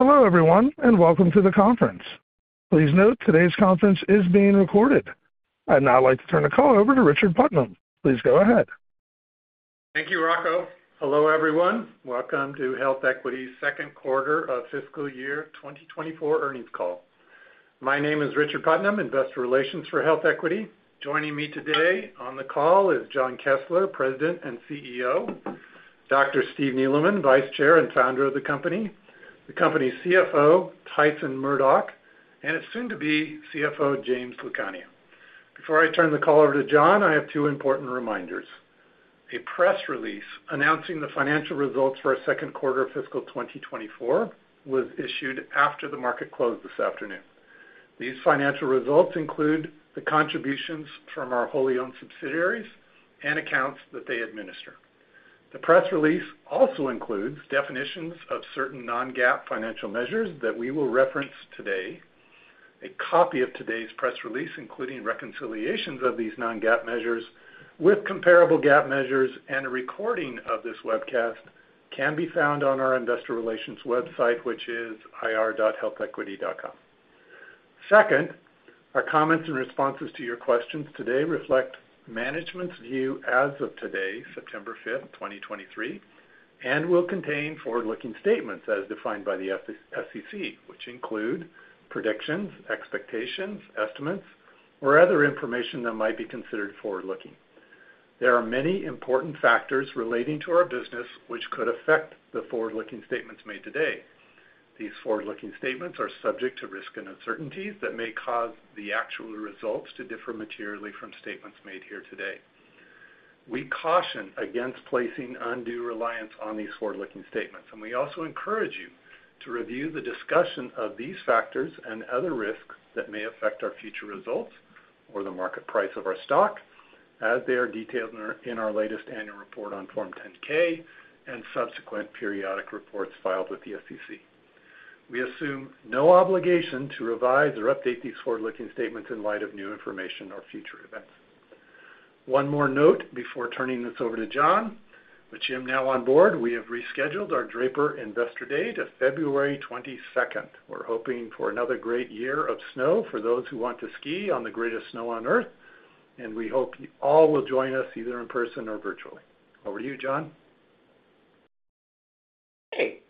Hello, everyone, and welcome to the conference. Please note, today's conference is being recorded. I'd now like to turn the call over to Richard Putnam. Please go ahead. Thank you, Rocco. Hello, everyone. Welcome to HealthEquity's Second Quarter of Fiscal Year 2024 Earnings Call. My name is Richard Putnam, Investor Relations for HealthEquity. Joining me today on the call is Jon Kessler, President and CEO, Dr. Steve Neeleman, Vice Chair and Founder of the company, the company's CFO, Tyson Murdock, and its soon to be CFO, James Lucania. Before I turn the call over to Jon, I have two important reminders. A press release announcing the financial results for our second quarter of fiscal 2024 was issued after the market closed this afternoon. These financial results include the contributions from our wholly owned subsidiaries and accounts that they administer. The press release also includes definitions of certain non-GAAP financial measures that we will reference today. A copy of today's press release, including reconciliations of these non-GAAP measures with comparable GAAP measures and a recording of this webcast, can be found on our investor relations website, which is ir.healthequity.com. Second, our comments and responses to your questions today reflect management's view as of today, September 5, 2023, and will contain forward-looking statements as defined by the SEC, which include predictions, expectations, estimates, or other information that might be considered forward-looking. There are many important factors relating to our business which could affect the forward-looking statements made today. These forward-looking statements are subject to risks and uncertainties that may cause the actual results to differ materially from statements made here today. We caution against placing undue reliance on these forward-looking statements, and we also encourage you to review the discussion of these factors and other risks that may affect our future results or the market price of our stock, as they are detailed in our latest annual report on Form 10-K and subsequent periodic reports filed with the SEC. We assume no obligation to revise or update these forward-looking statements in light of new information or future events. One more note before turning this over to Jon. With Jim now on board, we have rescheduled our Draper Investor Day to February 22nd. We're hoping for another great year of snow for those who want to ski on the greatest snow on Earth, and we hope you all will join us either in person or virtually. Over to you, Jon. Hey,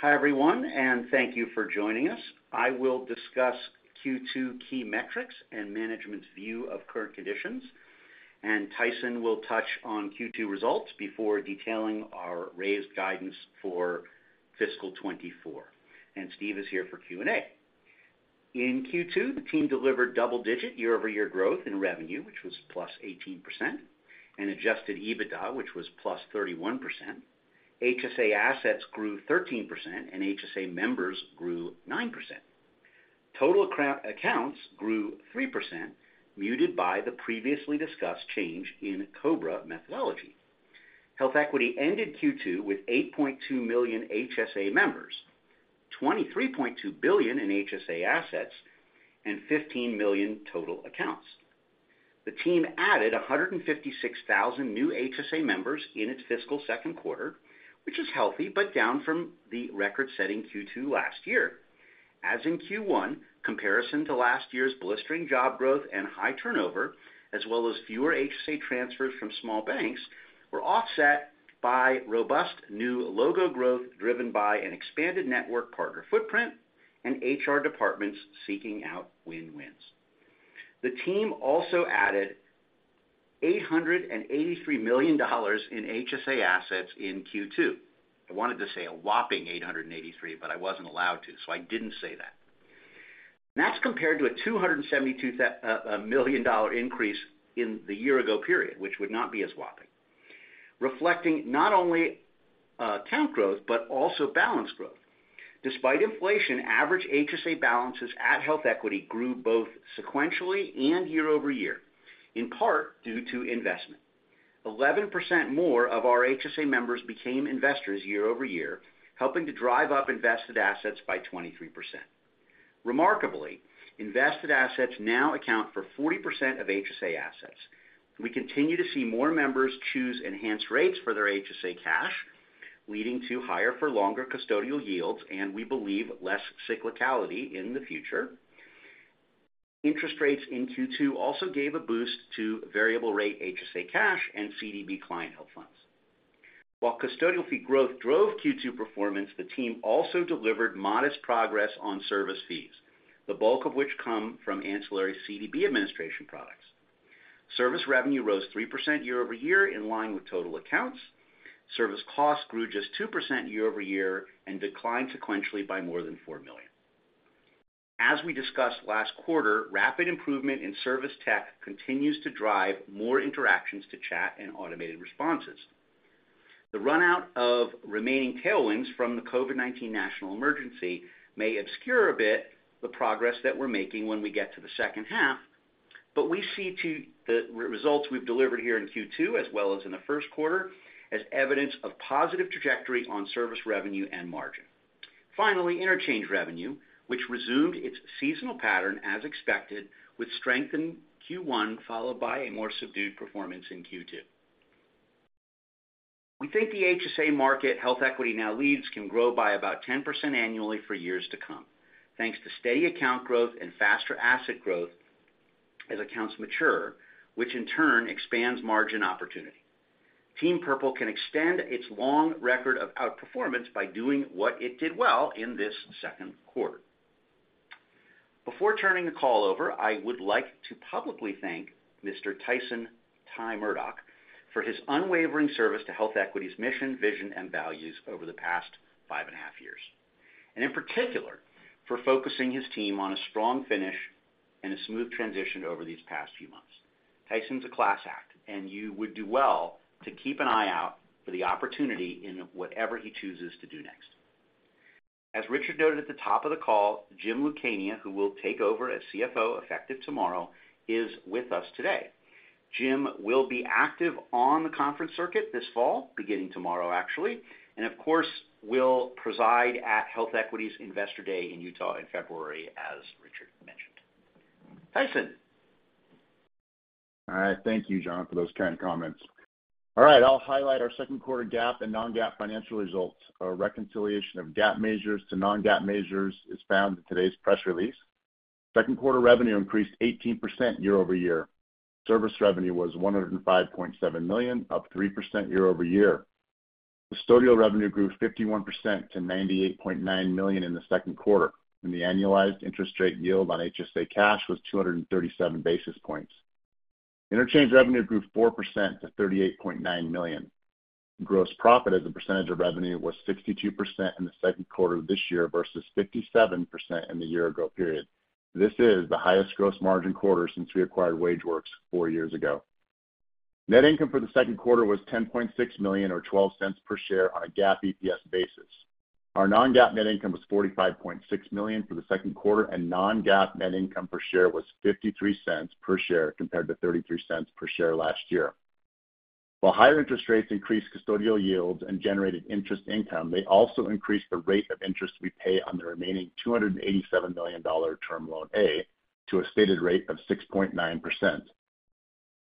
hi, everyone, and thank you for joining us. I will discuss Q2 key metrics and management's view of current conditions, and Tyson will touch on Q2 results before detailing our raised guidance for fiscal 2024, and Steve is here for Q&A. In Q2, the team delivered double-digit year-over-year growth in revenue, which was +18%, and adjusted EBITDA, which was +31%. HSA assets grew 13%, and HSA members grew 9%. Total CDB accounts grew 3%, muted by the previously discussed change in COBRA methodology. HealthEquity ended Q2 with 8.2 million HSA members, $23.2 billion in HSA assets, and 15 million total accounts. The team added 156,000 new HSA members in its fiscal second quarter, which is healthy, but down from the record-setting Q2 last year. As in Q1, comparison to last year's blistering job growth and high turnover, as well as fewer HSA transfers from small banks, were offset by robust new logo growth driven by an expanded network partner footprint and HR departments seeking out win-wins. The team also added $883 million in HSA assets in Q2. I wanted to say a whopping 883, but I wasn't allowed to, so I didn't say that. That's compared to a $272 million dollar increase in the year ago period, which would not be as whopping. Reflecting not only count growth, but also balance growth. Despite inflation, average HSA balances at HealthEquity grew both sequentially and year-over-year, in part due to investment. 11% more of our HSA members became investors year-over-year, helping to drive up invested assets by 23%. Remarkably, invested assets now account for 40% of HSA assets. We continue to see more members choose Enhanced Rates for their HSA cash, leading to higher for longer custodial yields, and we believe, less cyclicality in the future. Interest rates in Q2 also gave a boost to variable rate HSA cash and CDB client health funds. While custodial fee growth drove Q2 performance, the team also delivered modest progress on service fees, the bulk of which come from ancillary CDB administration products. Service revenue rose 3% year-over-year in line with total accounts. Service costs grew just 2% year-over-year and declined sequentially by more than $4 million. As we discussed last quarter, rapid improvement in service tech continues to drive more interactions to chat and automated responses. The run-out of remaining tailwinds from the COVID-19 national emergency may obscure a bit the progress that we're making when we get to the second half, but we see the results we've delivered here in Q2, as well as in the first quarter, as evidence of positive trajectory on service revenue and margin. Finally, interchange revenue, which resumed its seasonal pattern as expected, with strength in Q1, followed by a more subdued performance in Q2. We think the HSA market HealthEquity now leads can grow by about 10% annually for years to come, thanks to steady account growth and faster asset growth as accounts mature, which in turn expands margin opportunity. Team Purple can extend its long record of outperformance by doing what it did well in this second quarter. Before turning the call over, I would like to publicly thank Mr. Tyson Murdock for his unwavering service to HealthEquity's mission, vision, and values over the past five and a half years, and in particular, for focusing his team on a strong finish and a smooth transition over these past few months. Tyson's a class act, and you would do well to keep an eye out for the opportunity in whatever he chooses to do next. As Richard noted at the top of the call, Jim Lucania, who will take over as CFO effective tomorrow, is with us today. Jim will be active on the conference circuit this fall, beginning tomorrow, actually, and of course, will preside at HealthEquity's Investor Day in Utah in February, as Richard mentioned. Tyson? All right. Thank you, Jon, for those kind comments. All right, I'll highlight our second quarter GAAP and non-GAAP financial results. A reconciliation of GAAP measures to non-GAAP measures is found in today's press release. Second quarter revenue increased 18% year-over-year. Service revenue was $105.7 million, up 3% year-over-year. Custodial revenue grew 51% to $98.9 million in the second quarter, and the annualized interest rate yield on HSA cash was 237 basis points. Interchange revenue grew 4% to $38.9 million. Gross profit as a percentage of revenue was 62% in the second quarter of this year versus 57% in the year ago period. This is the highest gross margin quarter since we acquired WageWorks four years ago. Net income for the second quarter was $10.6 million, or $0.12 per share on a GAAP EPS basis. Our non-GAAP net income was $45.6 million for the second quarter, and non-GAAP net income per share was $0.53 per share, compared to $0.33 per share last year. While higher interest rates increased custodial yields and generated interest income, they also increased the rate of interest we pay on the remaining $287 million Term Loan A to a stated rate of 6.9%.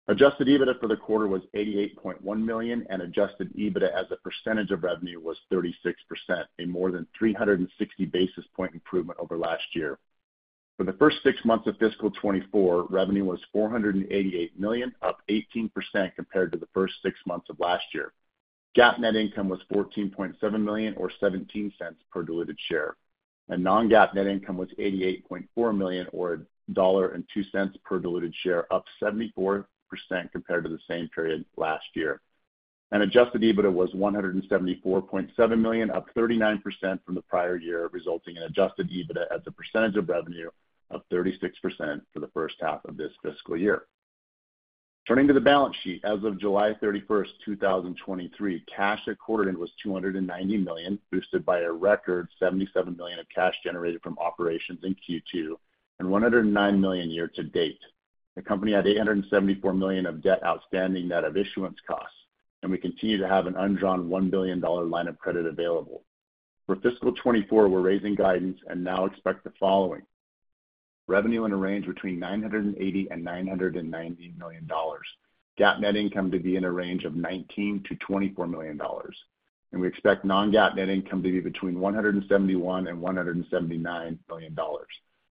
Adjusted EBITDA for the quarter was $88.1 million, and adjusted EBITDA as a percentage of revenue was 36%, a more than 360 basis points improvement over last year. For the first six months of fiscal 2024, revenue was $488 million, up 18% compared to the first six months of last year. GAAP net income was $14.7 million, or $0.17 per diluted share, and non-GAAP net income was $88.4 million, or $1.02 per diluted share, up 74% compared to the same period last year. And adjusted EBITDA was $174.7 million, up 39% from the prior year, resulting in adjusted EBITDA as a percentage of revenue of 36% for the first half of this fiscal year. Turning to the balance sheet, as of July 31, 2023, cash recorded was $290 million, boosted by a record $77 million of cash generated from operations in Q2 and $109 million year to date. The company had $874 million of debt outstanding net of issuance costs, and we continue to have an undrawn $1 billion line of credit available. For fiscal 2024, we're raising guidance and now expect the following: revenue in a range between $980 million and $990 million. GAAP net income to be in a range of $19 million-$24 million, and we expect non-GAAP net income to be between $171 million and $179 million,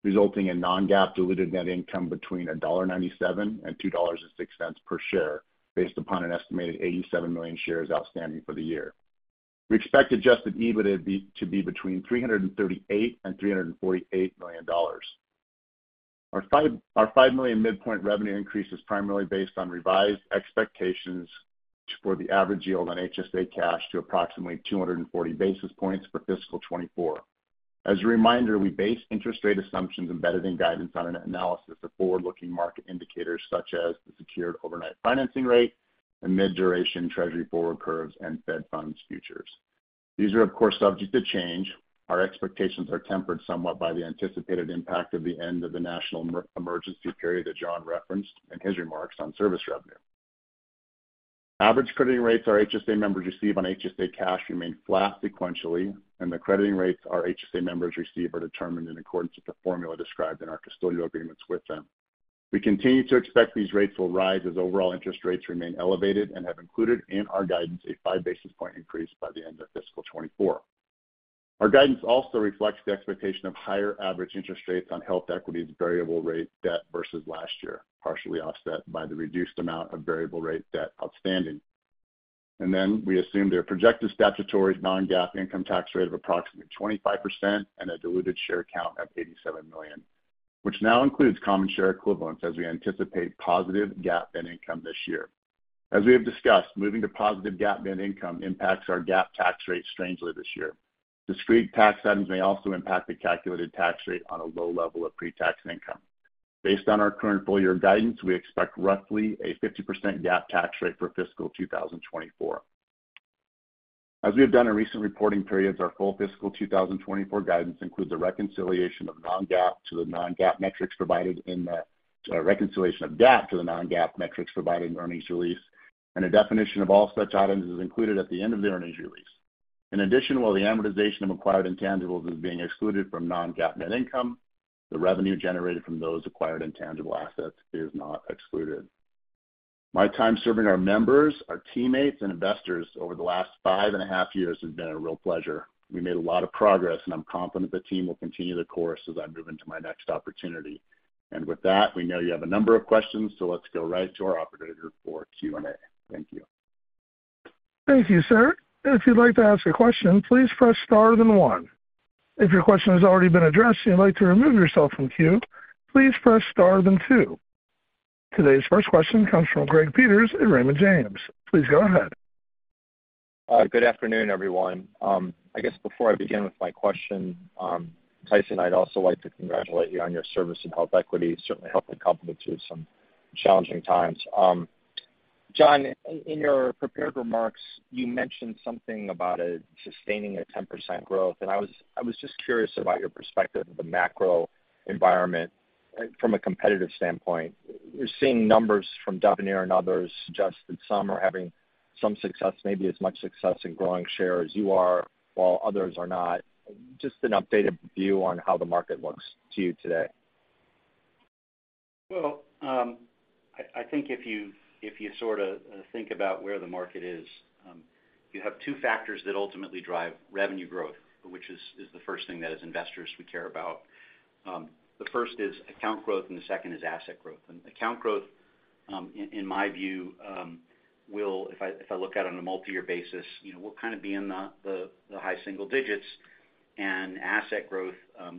resulting in non-GAAP diluted net income between $1.97 and $2.06 per share, based upon an estimated 87 million shares outstanding for the year. We expect Adjusted EBITDA to be between $338 million and $348 million. Our $5, our $5 million midpoint revenue increase is primarily based on revised expectations for the average yield on HSA cash to approximately 240 basis points for fiscal 2024. As a reminder, we base interest rate assumptions embedded in guidance on an analysis of forward-looking market indicators, such as the Secured Overnight Financing Rate and mid-duration Treasury Forward Curves and Fed Funds Futures. These are, of course, subject to change. Our expectations are tempered somewhat by the anticipated impact of the end of the national emergency period that Jon referenced in his remarks on service revenue. Average crediting rates our HSA members receive on HSA cash remained flat sequentially, and the crediting rates our HSA members receive are determined in accordance with the formula described in our custodial agreements with them. We continue to expect these rates will rise as overall interest rates remain elevated and have included in our guidance a 5 basis points increase by the end of fiscal 2024. Our guidance also reflects the expectation of higher average interest rates on HealthEquity's variable rate debt versus last year, partially offset by the reduced amount of variable rate debt outstanding. We assume their projected statutory non-GAAP income tax rate of approximately 25% and a diluted share count of 87 million, which now includes common share equivalents as we anticipate positive GAAP net income this year. As we have discussed, moving to positive GAAP net income impacts our GAAP tax rate strangely this year. Discrete tax items may also impact the calculated tax rate on a low level of pre-tax income. Based on our current full year guidance, we expect roughly a 50% GAAP tax rate for fiscal 2024. As we have done in recent reporting periods, our full fiscal 2024 guidance includes a reconciliation of non-GAAP to the non-GAAP metrics provided in the reconciliation of GAAP to the non-GAAP metrics provided in the earnings release, and a definition of all such items is included at the end of the earnings release. In addition, while the amortization of acquired intangibles is being excluded from non-GAAP net income, the revenue generated from those acquired intangible assets is not excluded. My time serving our members, our teammates, and investors over the last five and a half years has been a real pleasure. We made a lot of progress, and I'm confident the team will continue the course as I move into my next opportunity. With that, we know you have a number of questions, so let's go right to our operator for Q&A. Thank you. Thank you, sir. If you'd like to ask a question, please press star, then one. If your question has already been addressed and you'd like to remove yourself from queue, please press star, then two. Today's first question comes from Greg Peters at Raymond James. Please go ahead. Good afternoon, everyone. I guess before I begin with my question, Tyson, I'd also like to congratulate you on your service in HealthEquity. Certainly helped the company through some challenging times. Jon, in your prepared remarks, you mentioned something about a sustaining a 10% growth, and I was just curious about your perspective of the macro environment from a competitive standpoint. We're seeing numbers from Devenir and others suggest that some are having some success, maybe as much success in growing share as you are, while others are not. Just an updated view on how the market looks to you today. Well, I think if you sort of think about where the market is, you have two factors that ultimately drive revenue growth, which is the first thing that as investors we care about. The first is account growth, and the second is asset growth. Account growth, in my view, will. If I look at it on a multi-year basis, you know, we'll kind of be in the high single digits, and asset growth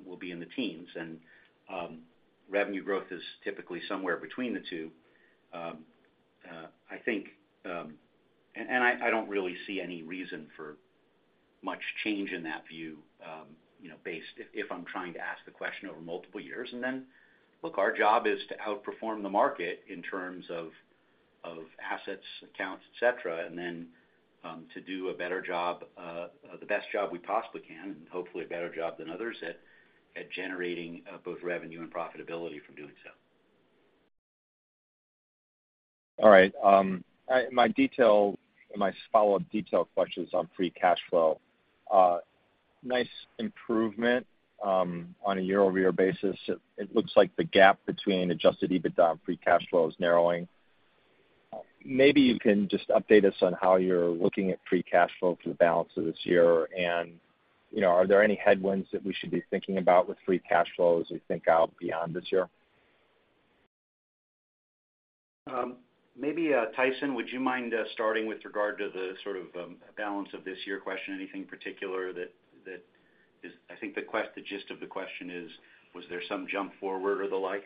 will be in the teens. Revenue growth is typically somewhere between the two. I think, and I don't really see any reason for much change in that view, you know, based if I'm trying to ask the question over multiple years. Then, look, our job is to outperform the market in terms of assets, accounts, et cetera, and then to do a better job, the best job we possibly can, and hopefully a better job than others at generating both revenue and profitability from doing so. All right. My follow-up detail question is on free cash flow. Nice improvement on a year-over-year basis. It looks like the gap between adjusted EBITDA and free cash flow is narrowing. Maybe you can just update us on how you're looking at free cash flow for the balance of this year, and, you know, are there any headwinds that we should be thinking about with free cash flow as we think out beyond this year? Maybe, Tyson, would you mind starting with regard to the sort of balance of this year question? Anything in particular that is... I think the gist of the question is, was there some jump forward or the like?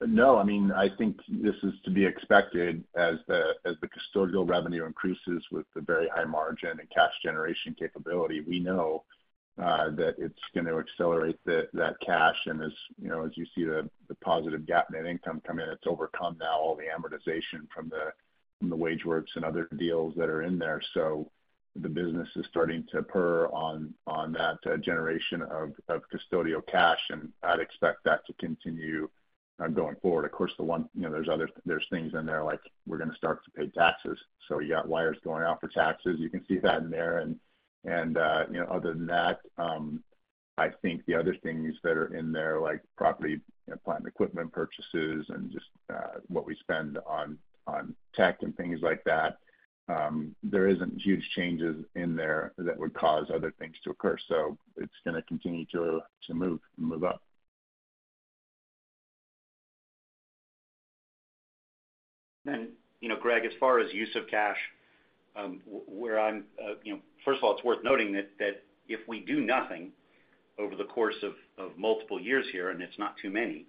No, I mean, I think this is to be expected as the, as the custodial revenue increases with the very high margin and cash generation capability. We know, that it's going to accelerate the, that cash, and as, you know, as you see the, the positive GAAP net income come in, it's overcome now all the amortization from the, from the WageWorks and other deals that are in there. So the business is starting to purr on, on that, generation of, of custodial cash, and I'd expect that to continue, going forward. Of course, the one-- you know, there's other, there's things in there like, we're gonna start to pay taxes, so you got wires going out for taxes. You can see that in there. You know, other than that, I think the other things that are in there, like property and plant equipment purchases and just what we spend on tech and things like that, there isn't huge changes in there that would cause other things to occur. So it's gonna continue to move up. You know, Greg, as far as use of cash, where I'm. You know, first of all, it's worth noting that if we do nothing over the course of multiple years here, and it's not too many,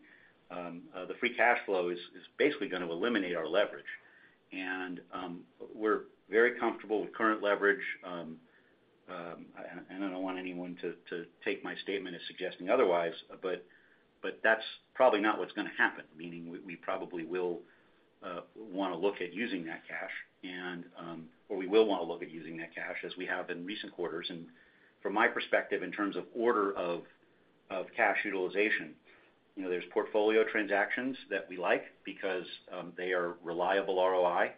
the free cash flow is basically gonna eliminate our leverage. And we're very comfortable with current leverage, and I don't want anyone to take my statement as suggesting otherwise, but that's probably not what's gonna happen, meaning we probably will want to look at using that cash, or we will want to look at using that cash, as we have in recent quarters. And from my perspective, in terms of order of cash utilization, you know, there's portfolio transactions that we like because they are reliable ROI.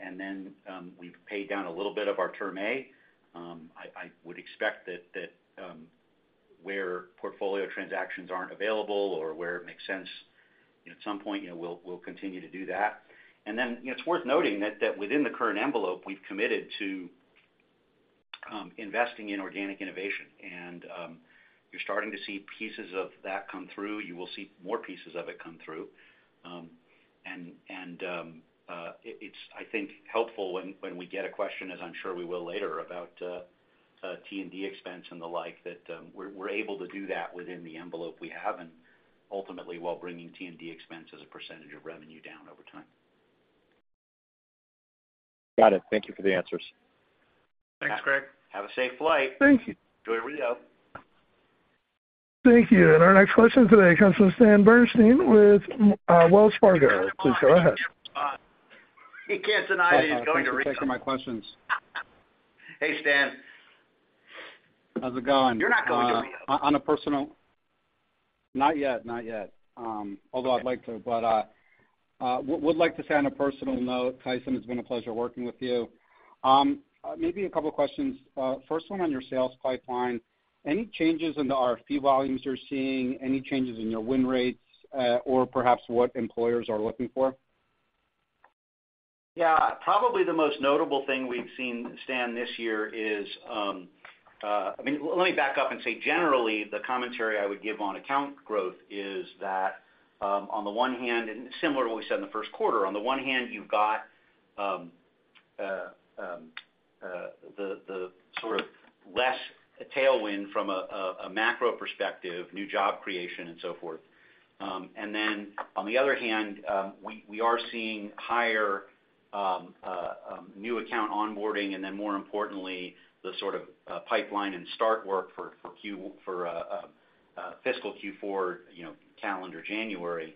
And then, we've paid down a little bit of our Term A. I would expect that, where portfolio transactions aren't available or where it makes sense, you know, at some point, you know, we'll continue to do that. And then, you know, it's worth noting that within the current envelope, we've committed to investing in organic innovation, and you're starting to see pieces of that come through. You will see more pieces of it come through. And it's, I think, helpful when we get a question, as I'm sure we will later, about T&D expense and the like, that we're able to do that within the envelope we have and ultimately while bringing T&D expense as a percentage of revenue down over time. Got it. Thank you for the answers. Thanks, Greg. Have a safe flight. Thank you. Enjoy Rio. Thank you. Our next question today comes from Stan Berenshteyn with Wells Fargo. Please go ahead. He can't deny he's going to Rio. Thanks for taking my questions. Hey, Stan. How's it going? You're not going to Rio. On a personal— Not yet, not yet. Although I'd like to. But would like to say on a personal note, Tyson, it's been a pleasure working with you. Maybe a couple of questions. First one on your sales pipeline, any changes in the RFP volumes you're seeing? Any changes in your win rates, or perhaps what employers are looking for? Yeah, probably the most notable thing we've seen, Stan, this year is, I mean, let me back up and say, generally, the commentary I would give on account growth is that, on the one hand, and similar to what we said in the first quarter, on the one hand, you've got, the sort of less tailwind from a macro perspective, new job creation, and so forth. And then on the other hand, we are seeing higher, new account onboarding, and then more importantly, the sort of pipeline and start work for fiscal Q4, you know, calendar January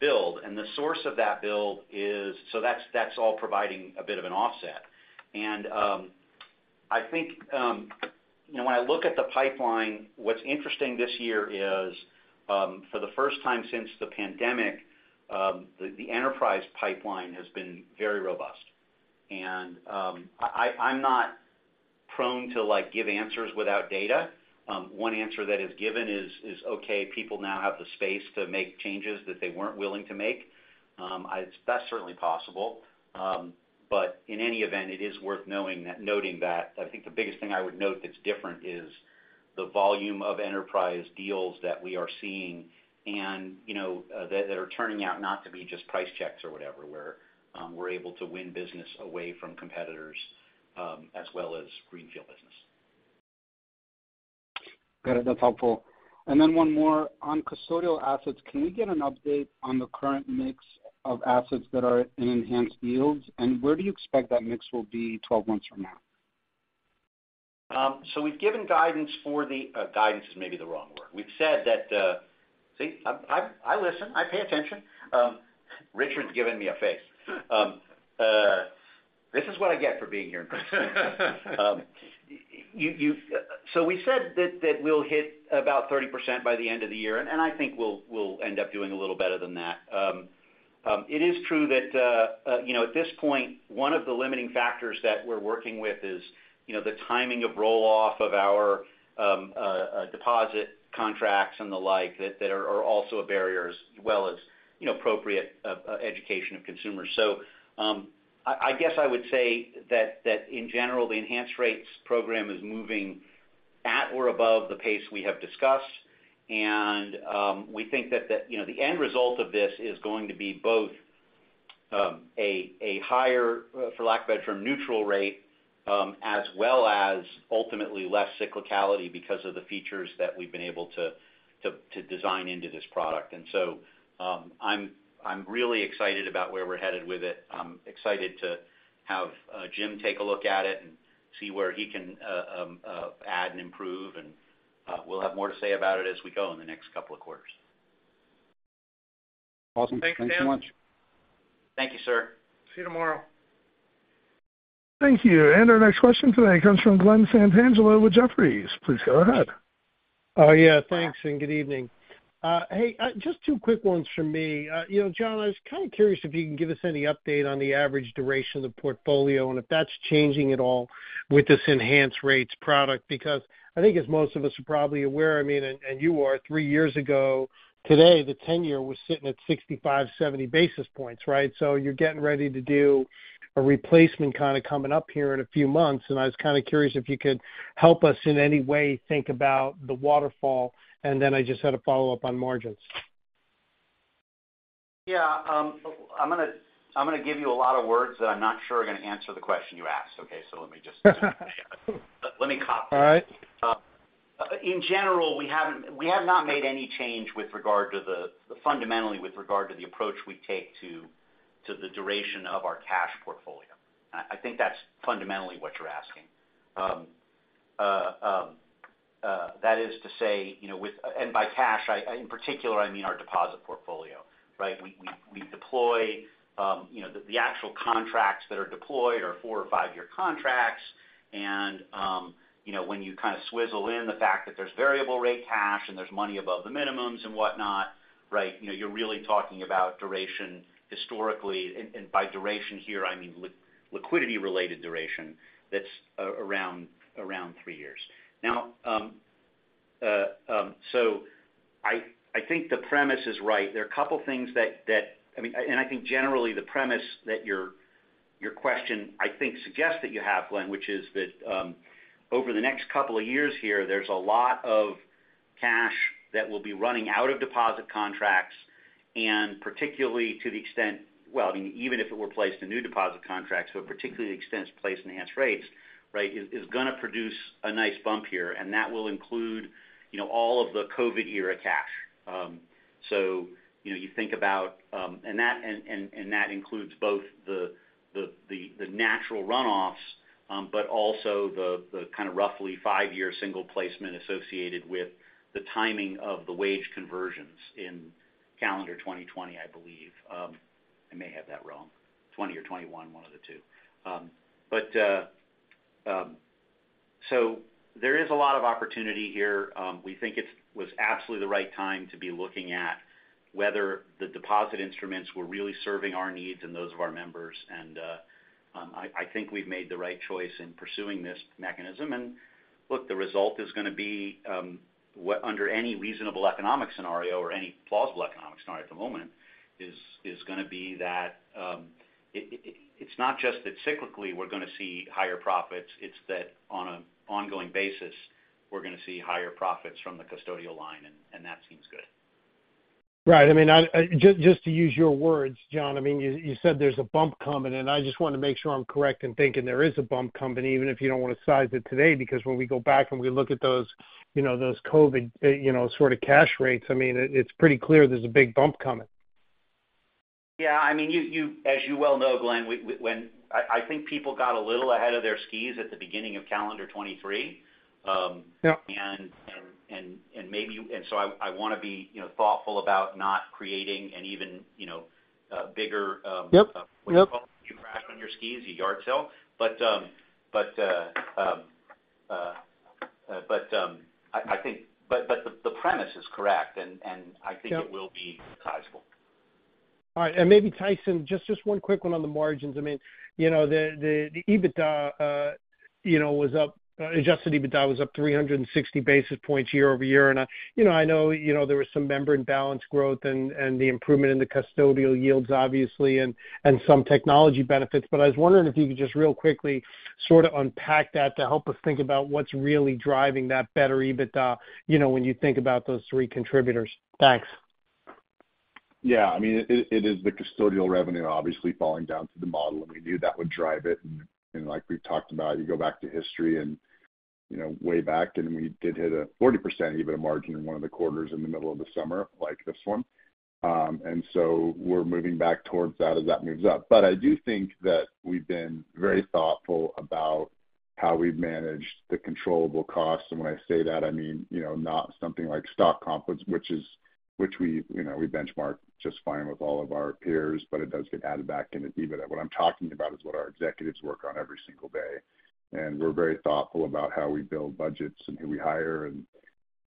build. And the source of that build is... So that's all providing a bit of an offset. I think, you know, when I look at the pipeline, what's interesting this year is, for the first time since the pandemic, the enterprise pipeline has been very robust. I'm not prone to, like, give answers without data. One answer that is given is, okay, people now have the space to make changes that they weren't willing to make. That's certainly possible. But in any event, it is worth noting that. I think the biggest thing I would note that's different is the volume of enterprise deals that we are seeing and, you know, that are turning out not to be just price checks or whatever, where, we're able to win business away from competitors, as well as greenfield business. Got it. That's helpful. And then one more. On custodial assets, can we get an update on the current mix of assets that are in enhanced yields, and where do you expect that mix will be 12 months from now? So we've given guidance for the-- guidance is maybe the wrong word. We've said that... See, I listen, I pay attention. Richard's giving me a face. This is what I get for being here in person. You-- so we said that we'll hit about 30% by the end of the year, and I think we'll end up doing a little better than that. It is true that, you know, at this point, one of the limiting factors that we're working with is, you know, the timing of roll-off of our deposit contracts and the like, that are also a barrier, as well as, you know, appropriate education of consumers. So, I guess I would say that in general, the Enhanced Rates program is moving at or above the pace we have discussed, and, we think that the, you know, the end result of this is going to be both, a higher, for lack of a better term, neutral rate, as well as ultimately less cyclicality because of the features that we've been able to design into this product. And so, I'm really excited about where we're headed with it. I'm excited to have Jim take a look at it and see where he can add and improve, and, we'll have more to say about it as we go in the next couple of quarters. Awesome. Thanks, Stan. Thanks so much. Thank you, sir. See you tomorrow. Thank you. Our next question today comes from Glen Santangelo with Jefferies. Please go ahead. Oh, yeah, thanks, and good evening. Hey, just two quick ones from me. You know, Jon, I was kind of curious if you can give us any update on the average duration of the portfolio, and if that's changing at all with this Enhanced Rates product. Because I think as most of us are probably aware, I mean, you are, three years ago today, the tenor was sitting at 65, 70 basis points, right? So you're getting ready to do a replacement kind of coming up here in a few months, and I was kind of curious if you could help us in any way think about the waterfall, and then I just had a follow-up on margins. Yeah, I'm going to give you a lot of words that I'm not sure are going to answer the question you asked, okay? So let me cop it. All right. In general, we have not made any change with regard to, fundamentally, the approach we take to the duration of our cash portfolio. I think that's fundamentally what you're asking. That is to say, you know, and by cash, in particular, I mean our deposit portfolio, right? We deploy, you know, the actual contracts that are deployed are four- or five-year contracts. And, you know, when you kind of swizzle in the fact that there's variable rate cash and there's money above the minimums and whatnot, right, you know, you're really talking about duration historically. And by duration here, I mean liquidity-related duration that's around three years. Now, so I think the premise is right. There are a couple things that... I mean, and I think generally the premise that your question, I think, suggests that you have, Glen, which is that, over the next couple of years here, there's a lot of cash that will be running out of deposit contracts, and particularly to the extent, well, I mean, even if it were placed in new deposit contracts, but particularly the extent it's placed in Enhanced Rates, right, is, is going to produce a nice bump here, and that will include, you know, all of the COVID-era cash. So you know, you think about... And that includes both the natural runoffs, but also the kind of roughly five-year single placement associated with the timing of the WageWorks conversions in calendar 2020, I believe. I may have that wrong. Twenty or 21, one of the two. But there is a lot of opportunity here. We think it was absolutely the right time to be looking at whether the deposit instruments were really serving our needs and those of our members. And I think we've made the right choice in pursuing this mechanism. And look, the result is gonna be what under any reasonable economic scenario or any plausible economic scenario at the moment is gonna be that it's not just that cyclically we're gonna see higher profits, it's that on an ongoing basis, we're gonna see higher profits from the custodial line, and that seems good. Right. I mean, just to use your words, Jon, I mean, you said there's a bump coming, and I just want to make sure I'm correct in thinking there is a bump coming, even if you don't want to size it today. Because when we go back and we look at those, you know, those COVID, you know, sort of cash rates, I mean, it's pretty clear there's a big bump coming. Yeah. I mean, you—as you well know, Glen, we—I think people got a little ahead of their skis at the beginning of calendar 2023. Yep. And so I want to be, you know, thoughtful about not creating an even, you know, a bigger, Yep, yep. What do you call it when you crash on your SKIs? A yard sale. But I think the premise is correct, and- Yep I think it will be sizable. All right. And maybe Tyson, just, just one quick one on the margins. I mean, you know, the EBITDA, you know, was up, adjusted EBITDA was up 360 basis points year-over-year. And, you know, I know, you know, there was some member and balance growth and, and the improvement in the custodial yields, obviously, and, and some technology benefits. But I was wondering if you could just real quickly sort of unpack that to help us think about what's really driving that better EBITDA, you know, when you think about those three contributors. Thanks. Yeah. I mean, it, it is the custodial revenue, obviously, falling down to the model, and we knew that would drive it. And, you know, like we've talked about, you go back to history and, you know, way back then, we did hit a 40% EBITDA margin in one of the quarters in the middle of the summer, like this one. And so we're moving back towards that as that moves up. But I do think that we've been very thoughtful about how we've managed the controllable costs. And when I say that, I mean, you know, not something like stock comp, which is, which we, you know, we benchmark just fine with all of our peers, but it does get added back in the EBITDA. What I'm talking about is what our executives work on every single day, and we're very thoughtful about how we build budgets and who we hire and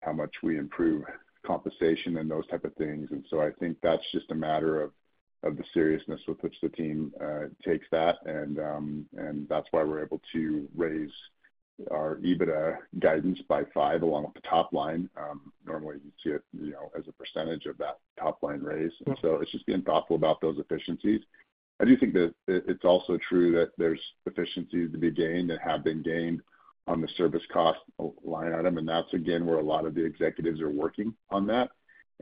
how much we improve compensation and those type of things. And so I think that's just a matter of the seriousness with which the team takes that. And that's why we're able to raise our EBITDA guidance by 5, along with the top line. Normally, you'd see it, you know, as a percentage of that top line raise. Mm-hmm. It's just being thoughtful about those efficiencies. I do think that it, it's also true that there's efficiencies to be gained and have been gained on the service cost line item, and that's again, where a lot of the executives are working on that.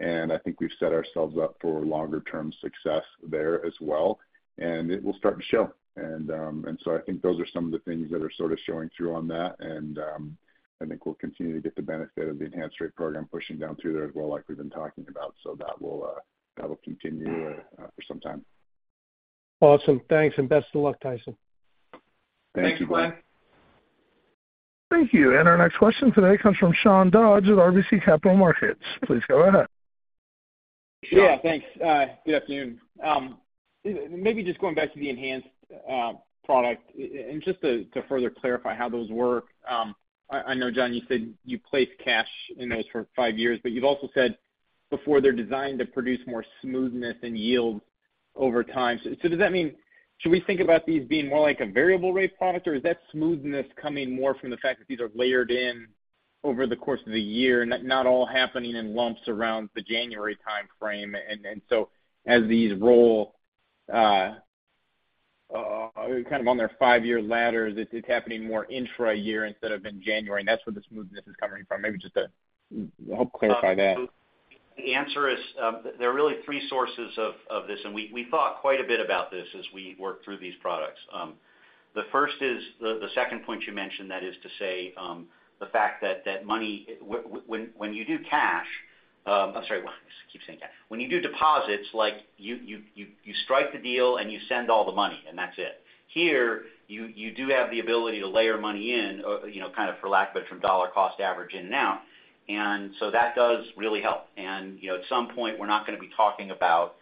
I think we've set ourselves up for longer term success there as well, and it will start to show. And, and so I think those are some of the things that are sort of showing through on that. I think we'll continue to get the benefit of the enhanced rate program pushing down through there as well, like we've been talking about. So that will, that will continue, for some time. Awesome. Thanks, and best of luck, Tyson. Thank you, Glen. Thanks, Glen. Thank you. Our next question today comes from Sean Dodge with RBC Capital Markets. Please go ahead, Sean. Yeah, thanks. Good afternoon. Maybe just going back to the enhanced product and just to further clarify how those work. I know, Jon, you said you placed cash in those for five years, but you've also said before, they're designed to produce more smoothness in yield over time. So, does that mean—should we think about these being more like a variable rate product, or is that smoothness coming more from the fact that these are layered in over the course of the year and not all happening in lumps around the January timeframe? And so as these roll kind of on their five-year ladder, it's happening more intra-year instead of in January, and that's where the smoothness is coming from. Maybe just to help clarify that. The answer is, there are really three sources of this, and we thought quite a bit about this as we worked through these products. The first is the second point you mentioned, that is to say, the fact that money when, when you do cash... I'm sorry, I keep saying cash. When you do deposits, like, you strike the deal and you send all the money, and that's it. Here, you do have the ability to layer money in, you know, kind of for lack of better, from dollar cost average in and out. And so that does really help. You know, at some point, we're not gonna be talking about,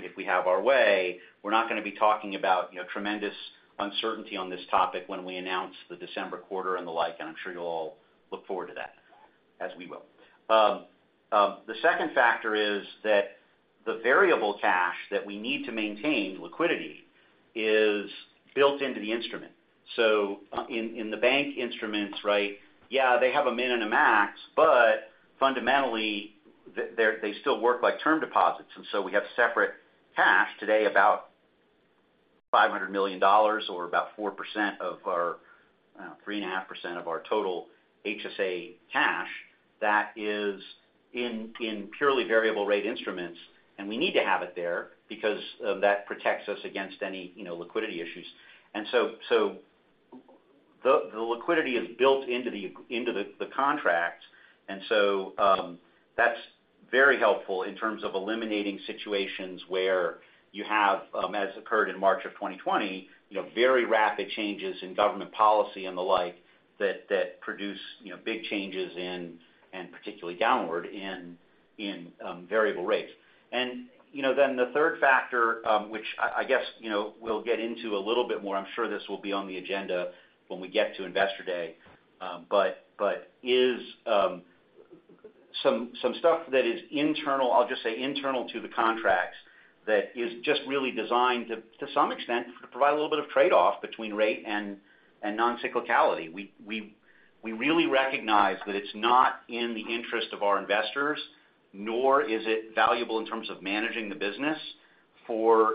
if we have our way, we're not gonna be talking about, you know, tremendous uncertainty on this topic when we announce the December quarter and the like, and I'm sure you'll all look forward to that, as we will. The second factor is that the variable cash that we need to maintain liquidity is built into the instrument. So, in the bank instruments, right, yeah, they have a min and a max, but fundamentally, they still work like term deposits. And so we have separate cash today, about $500 million, or about 4% of our 3.5% of our total HSA cash that is in purely variable rate instruments. We need to have it there because that protects us against any, you know, liquidity issues. So the liquidity is built into the contract. So that's very helpful in terms of eliminating situations where you have, as occurred in March of 2020, you know, very rapid changes in government policy and the like, that produce, you know, big changes in, and particularly downward, in variable rates. You know, then the third factor, which I guess, you know, we'll get into a little bit more, I'm sure this will be on the agenda when we get to Investor Day. But it's some stuff that is internal, I'll just say internal to the contracts, that is just really designed to some extent to provide a little bit of trade-off between rate and non-cyclicality. We really recognize that it's not in the interest of our investors, nor is it valuable in terms of managing the business, for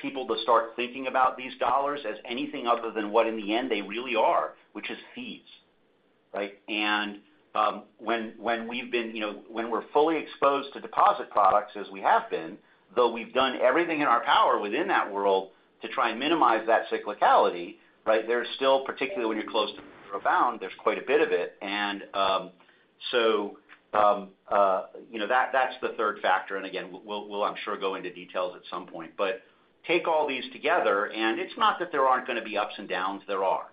people to start thinking about these dollars as anything other than what, in the end, they really are, which is fees, right? And when we've been, you know, when we're fully exposed to deposit products as we have been, though we've done everything in our power within that world to try and minimize that cyclicality, right, there's still, particularly when you're close to bound, there's quite a bit of it. And you know, that's the third factor. And again, we'll, I'm sure, go into details at some point. But take all these together, and it's not that there aren't gonna be ups and downs. There are,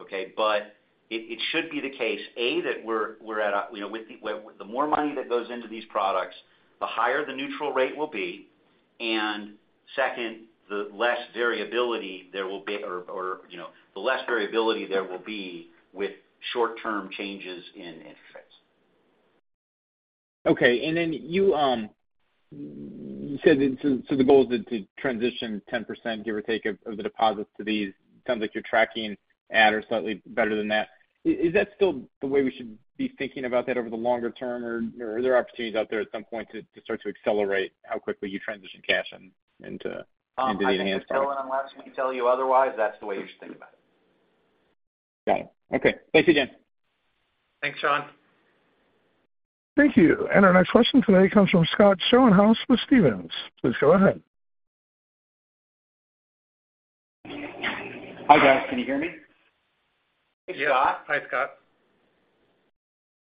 okay? But it should be the case, A, that we're at a, you know, with the, where the more money that goes into these products, the higher the neutral rate will be. And second, the less variability there will be, you know, the less variability there will be with short-term changes in interest rates. Okay. And then you said that so the goal is to transition 10%, give or take, of the deposits to these. Sounds like you're tracking at or slightly better than that. Is that still the way we should be thinking about that over the longer term, or are there opportunities out there at some point to start to accelerate how quickly you transition cash into the enhanced products? I think until and unless we tell you otherwise, that's the way you should think about it. Got it. Okay. Thanks, again. Thanks, Sean. Thank you. Our next question today comes from Scott Schoenhaus with Stephens. Please go ahead. Hi, guys. Can you hear me? Hey, Scott. Yes. Hi, Scott.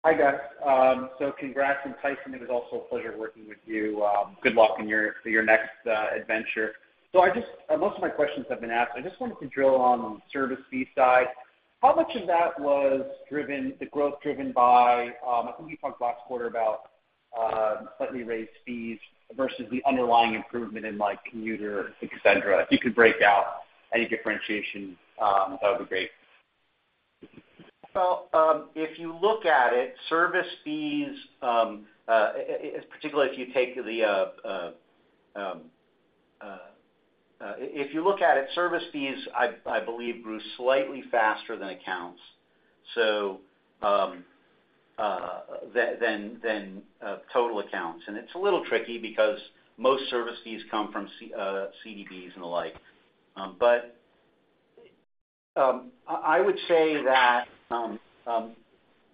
Hi, guys. So congrats, and Tyson, it was also a pleasure working with you. Good luck in your next adventure. So I just, most of my questions have been asked. I just wanted to drill on the service fee side. How much of that was driven, the growth driven by, I think you talked last quarter about slightly raised fees versus the underlying improvement in, like, commuter, et cetera. If you could break out any differentiation, that would be great. Well, if you look at it, service fees, particularly if you take the, if you look at it, service fees, I believe, grew slightly faster than accounts. So, than total accounts. And it's a little tricky because most service fees come from CDBs and the like. But, I would say that,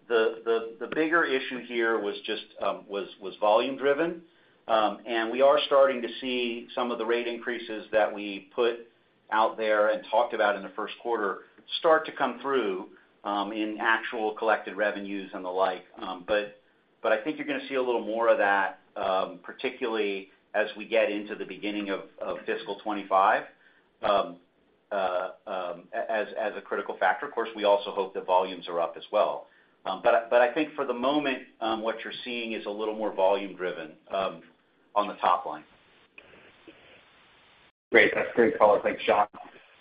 the bigger issue here was just, was volume driven. And we are starting to see some of the rate increases that we put out there and talked about in the first quarter start to come through, in actual collected revenues and the like. But I think you're gonna see a little more of that, particularly as we get into the beginning of fiscal 2025, as a critical factor. Of course, we also hope that volumes are up as well. But I think for the moment, what you're seeing is a little more volume driven, on the top line. Great. That's great color. Thanks, Sean.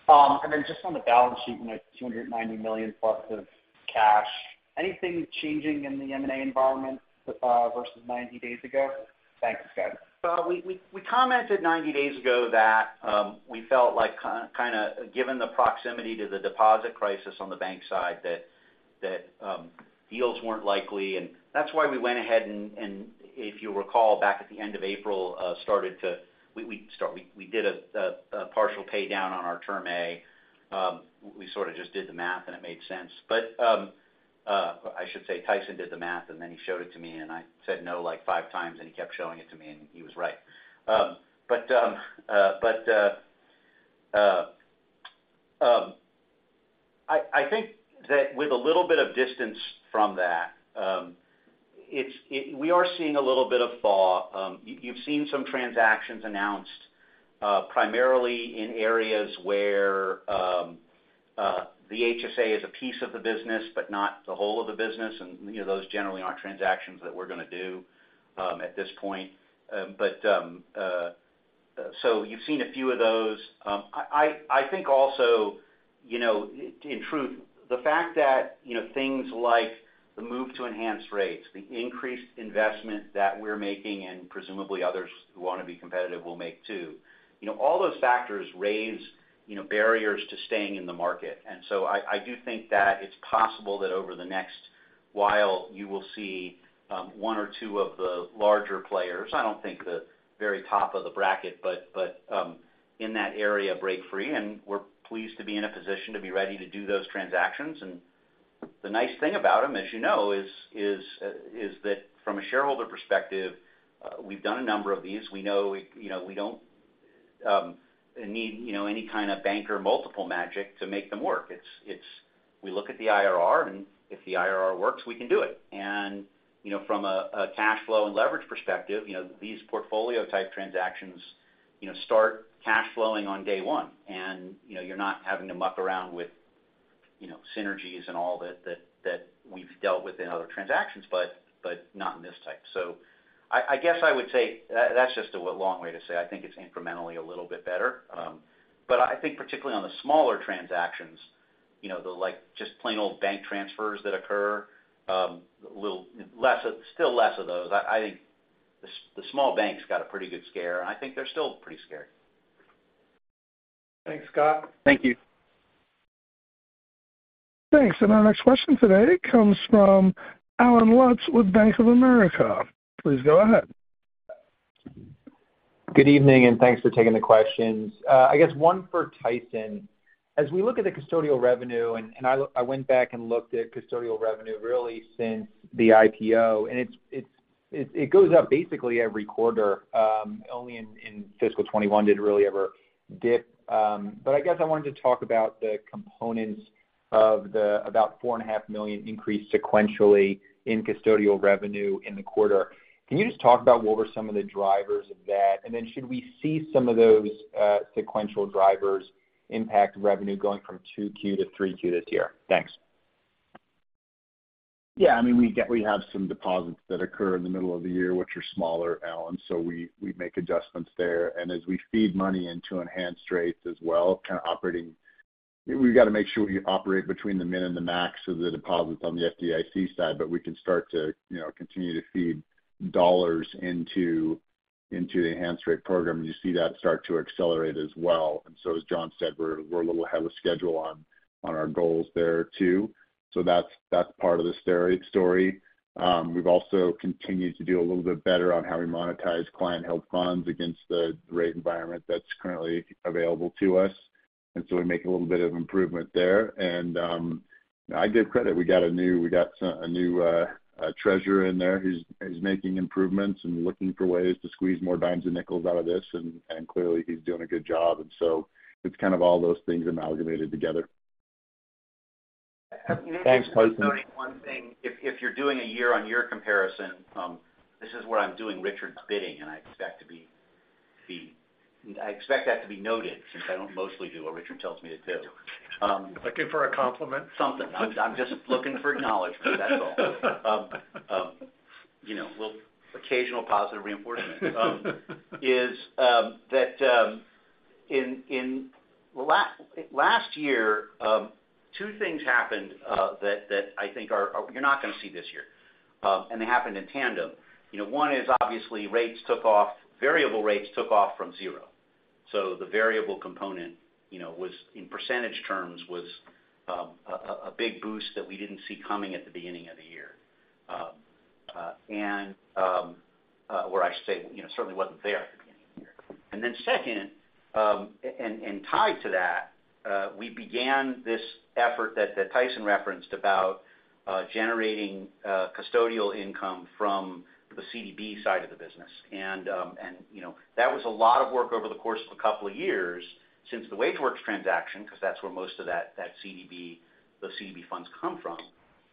And then just on the balance sheet, you know, $290 million+ of cash, anything changing in the M&A environment versus 90 days ago? Thanks, guys. So we commented 90 days ago that we felt like kind of given the proximity to the deposit crisis on the bank side, that deals weren't likely, and that's why we went ahead, and if you recall, back at the end of April, started to. We did a partial paydown on our Term A. We sort of just did the math, and it made sense. But I should say Tyson did the math, and then he showed it to me, and I said no, like, five times, and he kept showing it to me, and he was right. But I think that with a little bit of distance from that, it's. We are seeing a little bit of thaw. You've seen some transactions announced, primarily in areas where the HSA is a piece of the business, but not the whole of the business. And, you know, those generally aren't transactions that we're gonna do at this point. So you've seen a few of those. I think also, you know, in truth, the fact that, you know, things like the move to Enhanced Rates, the increased investment that we're making, and presumably others who want to be competitive will make too, you know, all those factors raise, you know, barriers to staying in the market. I do think that it's possible that over the next while, you will see one or two of the larger players. I don't think the very top of the bracket, but in that area, break free, and we're pleased to be in a position to be ready to do those transactions. The nice thing about them, as you know, is that from a shareholder perspective, we've done a number of these. We know, you know, we don't need, you know, any kind of banker multiple magic to make them work. It's we look at the IRR, and if the IRR works, we can do it. You know, from a cash flow and leverage perspective, you know, these portfolio-type transactions, you know, start cash flowing on day one. You know, you're not having to muck around with you know, synergies and all that that we've dealt with in other transactions, but not in this type. So I guess I would say that's just a long way to say I think it's incrementally a little bit better. But I think particularly on the smaller transactions, you know, things like just plain old bank transfers that occur, little less, still less of those. I think the small banks got a pretty good scare, and I think they're still pretty scared. Thanks, Scott. Thank you. Thanks. And our next question today comes from Allen Lutz with Bank of America. Please go ahead. Good evening, and thanks for taking the questions. I guess one for Tyson. As we look at the custodial revenue, and I went back and looked at custodial revenue really since the IPO, and it goes up basically every quarter. Only in fiscal 2021 did it really ever dip. But I guess I wanted to talk about the components of the about $4.5 million increase sequentially in custodial revenue in the quarter. Can you just talk about what were some of the drivers of that? And then should we see some of those sequential drivers impact revenue going from 2Q to 3Q this year? Thanks. Yeah, I mean, we get—we have some deposits that occur in the middle of the year, which are smaller, Allen, so we make adjustments there. And as we feed money into Enhanced Rates as well, kind of operating—We've got to make sure we operate between the min and the max of the deposits on the FDIC side, but we can start to, you know, continue to feed dollars into the Enhanced Rate program, and you see that start to accelerate as well. And so, as Jon said, we're a little ahead of schedule on our goals there, too. So that's part of the story. We've also continued to do a little bit better on how we monetize client health funds against the rate environment that's currently available to us, and so we make a little bit of improvement there. I give credit, we got a new treasurer in there who's making improvements and looking for ways to squeeze more dimes and nickels out of this, and clearly, he's doing a good job. So it's kind of all those things amalgamated together. Thanks, Tyson. One thing, if you're doing a year-on-year comparison, this is where I'm doing Richard's bidding, and I expect to be—I expect that to be noted, since I don't mostly do what Richard tells me to do. Looking for a compliment? Something. I'm just looking for acknowledgment, that's all. You know, well, occasional positive reinforcement. Last year two things happened that I think are—you're not going to see this year, and they happened in tandem. You know, one is obviously rates took off, variable rates took off from zero. So the variable component, you know, was, in percentage terms, was a big boost that we didn't see coming at the beginning of the year. And where I should say, you know, certainly wasn't there at the beginning of the year. And then second, and tied to that, we began this effort that Tyson referenced about generating custodial income from the CDB side of the business. You know, that was a lot of work over the course of a couple of years since the WageWorks transaction, because that's where most of that, that CDB, those CDB funds come from.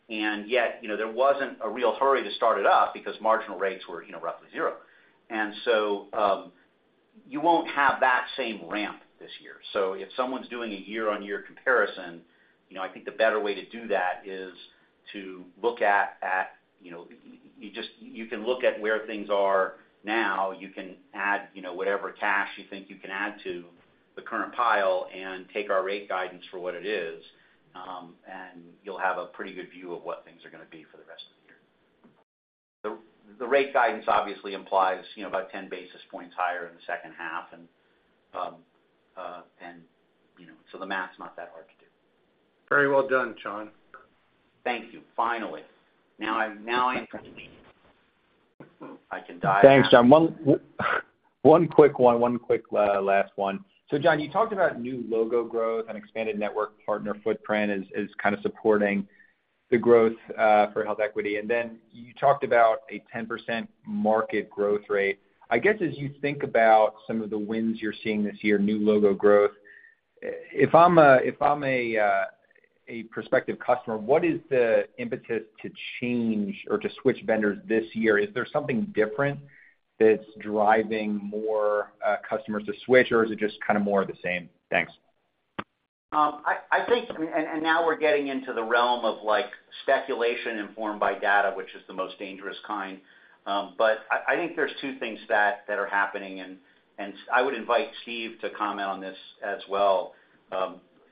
And yet, you know, there wasn't a real hurry to start it up because marginal rates were, you know, roughly zero. And so, you won't have that same ramp this year. So if someone's doing a year-on-year comparison, you know, I think the better way to do that is to look at, you know, you can look at where things are now. You can add, you know, whatever cash you think you can add to the current pile and take our rate guidance for what it is, and you'll have a pretty good view of what things are going to be for the rest of the year. The rate guidance obviously implies, you know, about 10 basis points higher in the second half, and, you know, so the math's not that hard to do. Very well done, Jon. Thank you. Finally. Now I, now I'm happy. I can die happy. Thanks, Jon. One quick last one. So Jon, you talked about new logo growth and expanded network partner footprint as kind of supporting the growth for HealthEquity. And then you talked about a 10% market growth rate. I guess, as you think about some of the wins you're seeing this year, new logo growth, if I'm a prospective customer, what is the impetus to change or to switch vendors this year? Is there something different that's driving more customers to switch, or is it just kind of more of the same? Thanks. I think, and now we're getting into the realm of like, speculation informed by data, which is the most dangerous kind. But I think there's two things that are happening, and I would invite Steve to comment on this as well.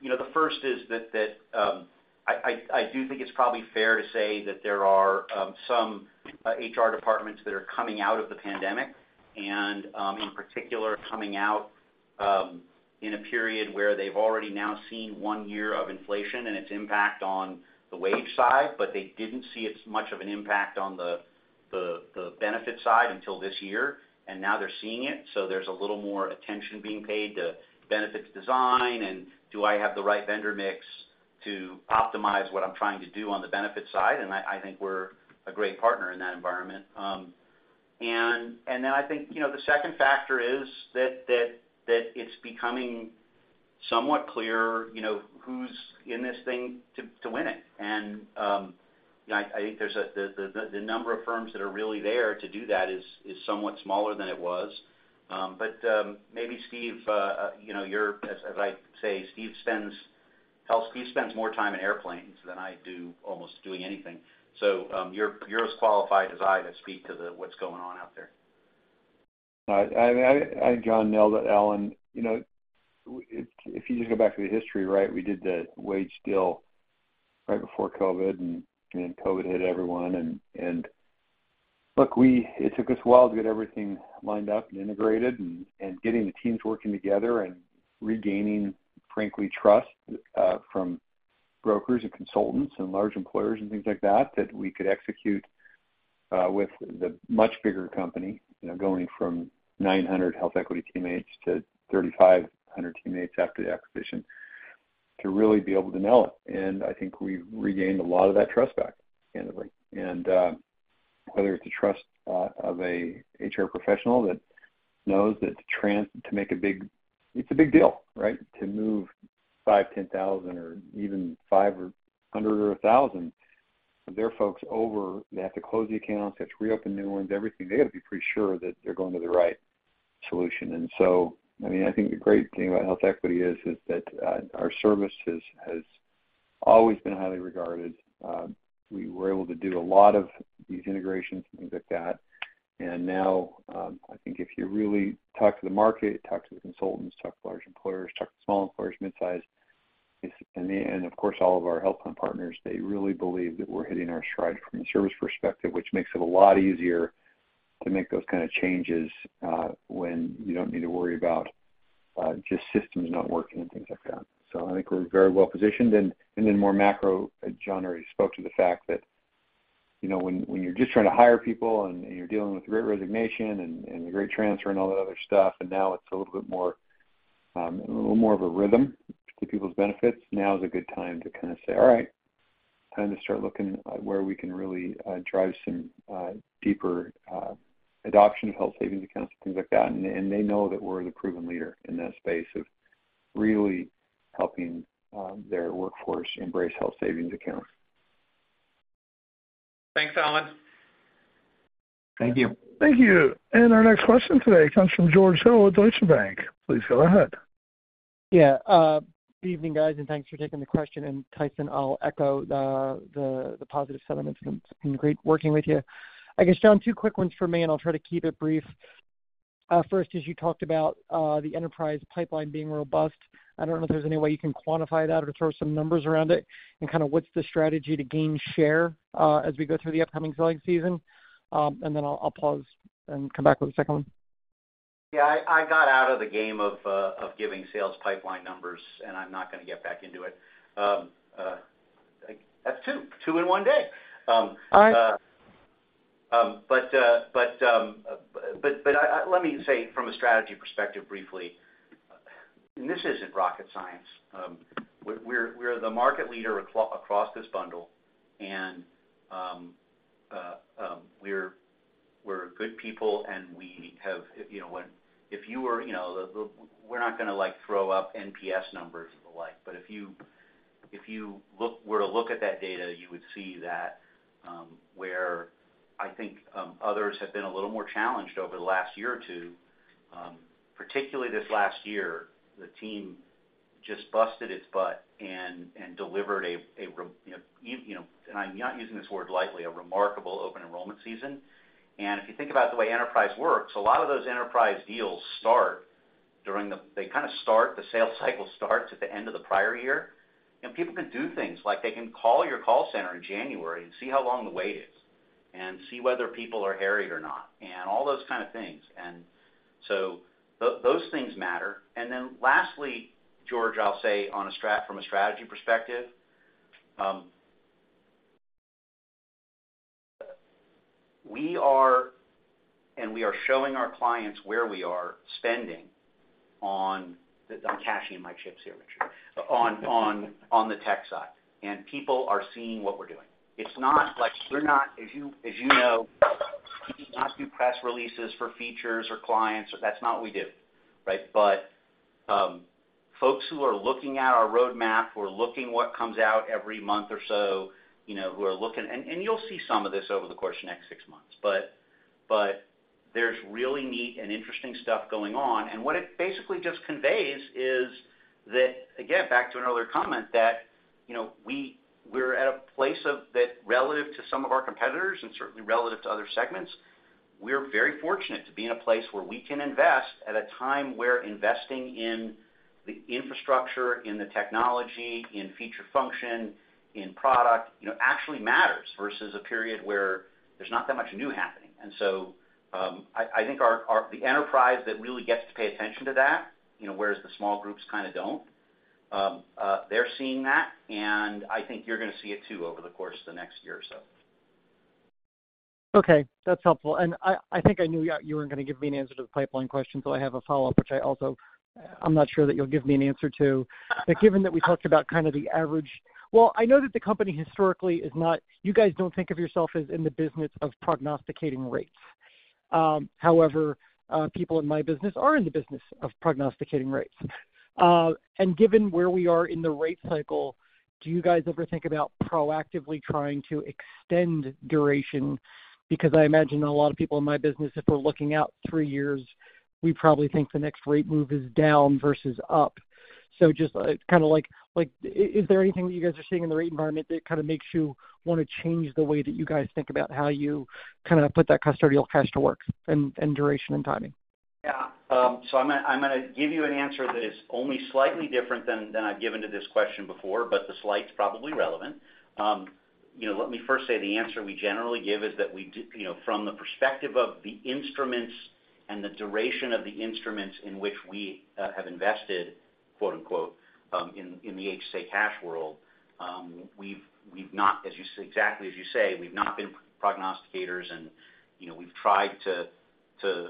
You know, the first is that I do think it's probably fair to say that there are some HR departments that are coming out of the pandemic, and in particular, coming out in a period where they've already now seen one year of inflation and its impact on the wage side, but they didn't see as much of an impact on the benefit side until this year, and now they're seeing it. So there's a little more attention being paid to benefits design, and do I have the right vendor mix to optimize what I'm trying to do on the benefit side? And I, I think we're a great partner in that environment. And then I think, you know, the second factor is that it's becoming somewhat clear, you know, who's in this thing to win it. Yeah, I think there's a the number of firms that are really there to do that is somewhat smaller than it was. But maybe Steve, you know, you're, as I say, Steve spends hell, Steve spends more time in airplanes than I do almost doing anything. So you're as qualified as I to speak to what's going on out there. Jon nailed it, Allen. You know, if you just go back to the history, right, we did the Wage Deal right before COVID, and COVID hit everyone. And look, it took us a while to get everything lined up and integrated and getting the teams working together and regaining, frankly, trust from brokers and consultants and large employers and things like that, that we could execute with the much bigger company, you know, going from 900 HealthEquity teammates to 3,500 teammates after the acquisition, to really be able to nail it. And I think we've regained a lot of that trust back, candidly. And whether it's the trust of a HR professional that knows that trans-- to make a big... It's a big deal, right? To move 5, 10,000 or even 500 or 1,000 of their folks over. They have to close the accounts, they have to reopen new ones, everything. They gotta be pretty sure that they're going to the right solution. And so, I mean, I think the great thing about HealthEquity is that our service has always been highly regarded. We were able to do a lot of these integrations and things like that. And now, I think if you really talk to the market, talk to the consultants, talk to large employers, talk to small employers, midsize, and of course, all of our health plan partners, they really believe that we're hitting our stride from a service perspective, which makes it a lot easier to make those kind of changes, when you don't need to worry about just systems not working and things like that. So I think we're very well positioned. And then more macro, Jon already spoke to the fact that, you know, when you're just trying to hire people and you're dealing with great resignation and the great transfer and all that other stuff, and now it's a little bit more, a little more of a rhythm to people's benefits. Now is a good time to kind of say, "All right, time to start looking at where we can really drive some deeper adoption of health savings accounts and things like that." And they know that we're the proven leader in that space of really helping their workforce embrace health savings accounts. Thanks, Allen. Thank you. Thank you. Our next question today comes from George Hill at Deutsche Bank. Please go ahead. Yeah, good evening, guys, and thanks for taking the question. Tyson, I'll echo the positive sentiments. It's been great working with you. I guess, Jon, two quick ones for me, and I'll try to keep it brief. First is you talked about the enterprise pipeline being robust. I don't know if there's any way you can quantify that or throw some numbers around it, and kind of what's the strategy to gain share as we go through the upcoming selling season? And then I'll pause and come back with the second one. Yeah, I, I got out of the game of giving sales pipeline numbers, and I'm not gonna get back into it. That's two, two in one day. All right. But let me say from a strategy perspective briefly, and this isn't rocket science, we're the market leader across this bundle, and we're good people and we have, you know, if you were, you know, the... We're not gonna, like, throw up NPS numbers and the like, but if you were to look at that data, you would see that, where I think others have been a little more challenged over the last year or two, particularly this last year, the team just busted its butt and delivered a remarkable open enrollment season. If you think about the way enterprise works, a lot of those enterprise deals start during the... They kind of start, the sales cycle starts at the end of the prior year. People can do things, like they can call your call center in January and see how long the wait is, and see whether people are harried or not, and all those kind of things. So those things matter. Then lastly, George, I'll say from a strategy perspective, we are, and we are showing our clients where we are spending on the... I'm cashing in my chips here, Richard, on the tech side, and people are seeing what we're doing. It's not like we're not, as you know, we do not do press releases for features or clients. That's not what we do, right? But, folks who are looking at our roadmap, who are looking what comes out every month or so, you know, who are looking... And you'll see some of this over the course of the next six months. But there's really neat and interesting stuff going on. And what it basically just conveys is that, again, back to an earlier comment, that, you know, we're at a place of, that relative to some of our competitors and certainly relative to other segments, we're very fortunate to be in a place where we can invest at a time where investing in the infrastructure, in the technology, in feature function, in product, you know, actually matters, versus a period where there's not that much new happening. And so, I think our, our... the enterprise that really gets to pay attention to that, you know, whereas the small groups kind of don't. They're seeing that, and I think you're gonna see it too, over the course of the next year or so. Okay, that's helpful. And I think I knew you weren't gonna give me an answer to the pipeline question, so I have a follow-up, which I also, I'm not sure that you'll give me an answer to. But given that we talked about kind of the average... Well, I know that the company historically is not, you guys don't think of yourself as in the business of prognosticating rates. However, people in my business are in the business of prognosticating rates. And given where we are in the rate cycle, do you guys ever think about proactively trying to extend duration? Because I imagine a lot of people in my business, if we're looking out three years, we probably think the next rate move is down versus up. Just, kind of like, like, is there anything that you guys are seeing in the rate environment that kind of makes you want to change the way that you guys think about how you kind of put that custodial cash to work in duration and timing? Yeah. So I'm gonna give you an answer that is only slightly different than I've given to this question before, but the slight's probably relevant. You know, let me first say the answer we generally give is that we do, you know, from the perspective of the instruments and the duration of the instruments in which we have invested, quote unquote, in the HSA cash world, we've not, as you say, exactly as you say, we've not been prognosticators and, you know, we've tried to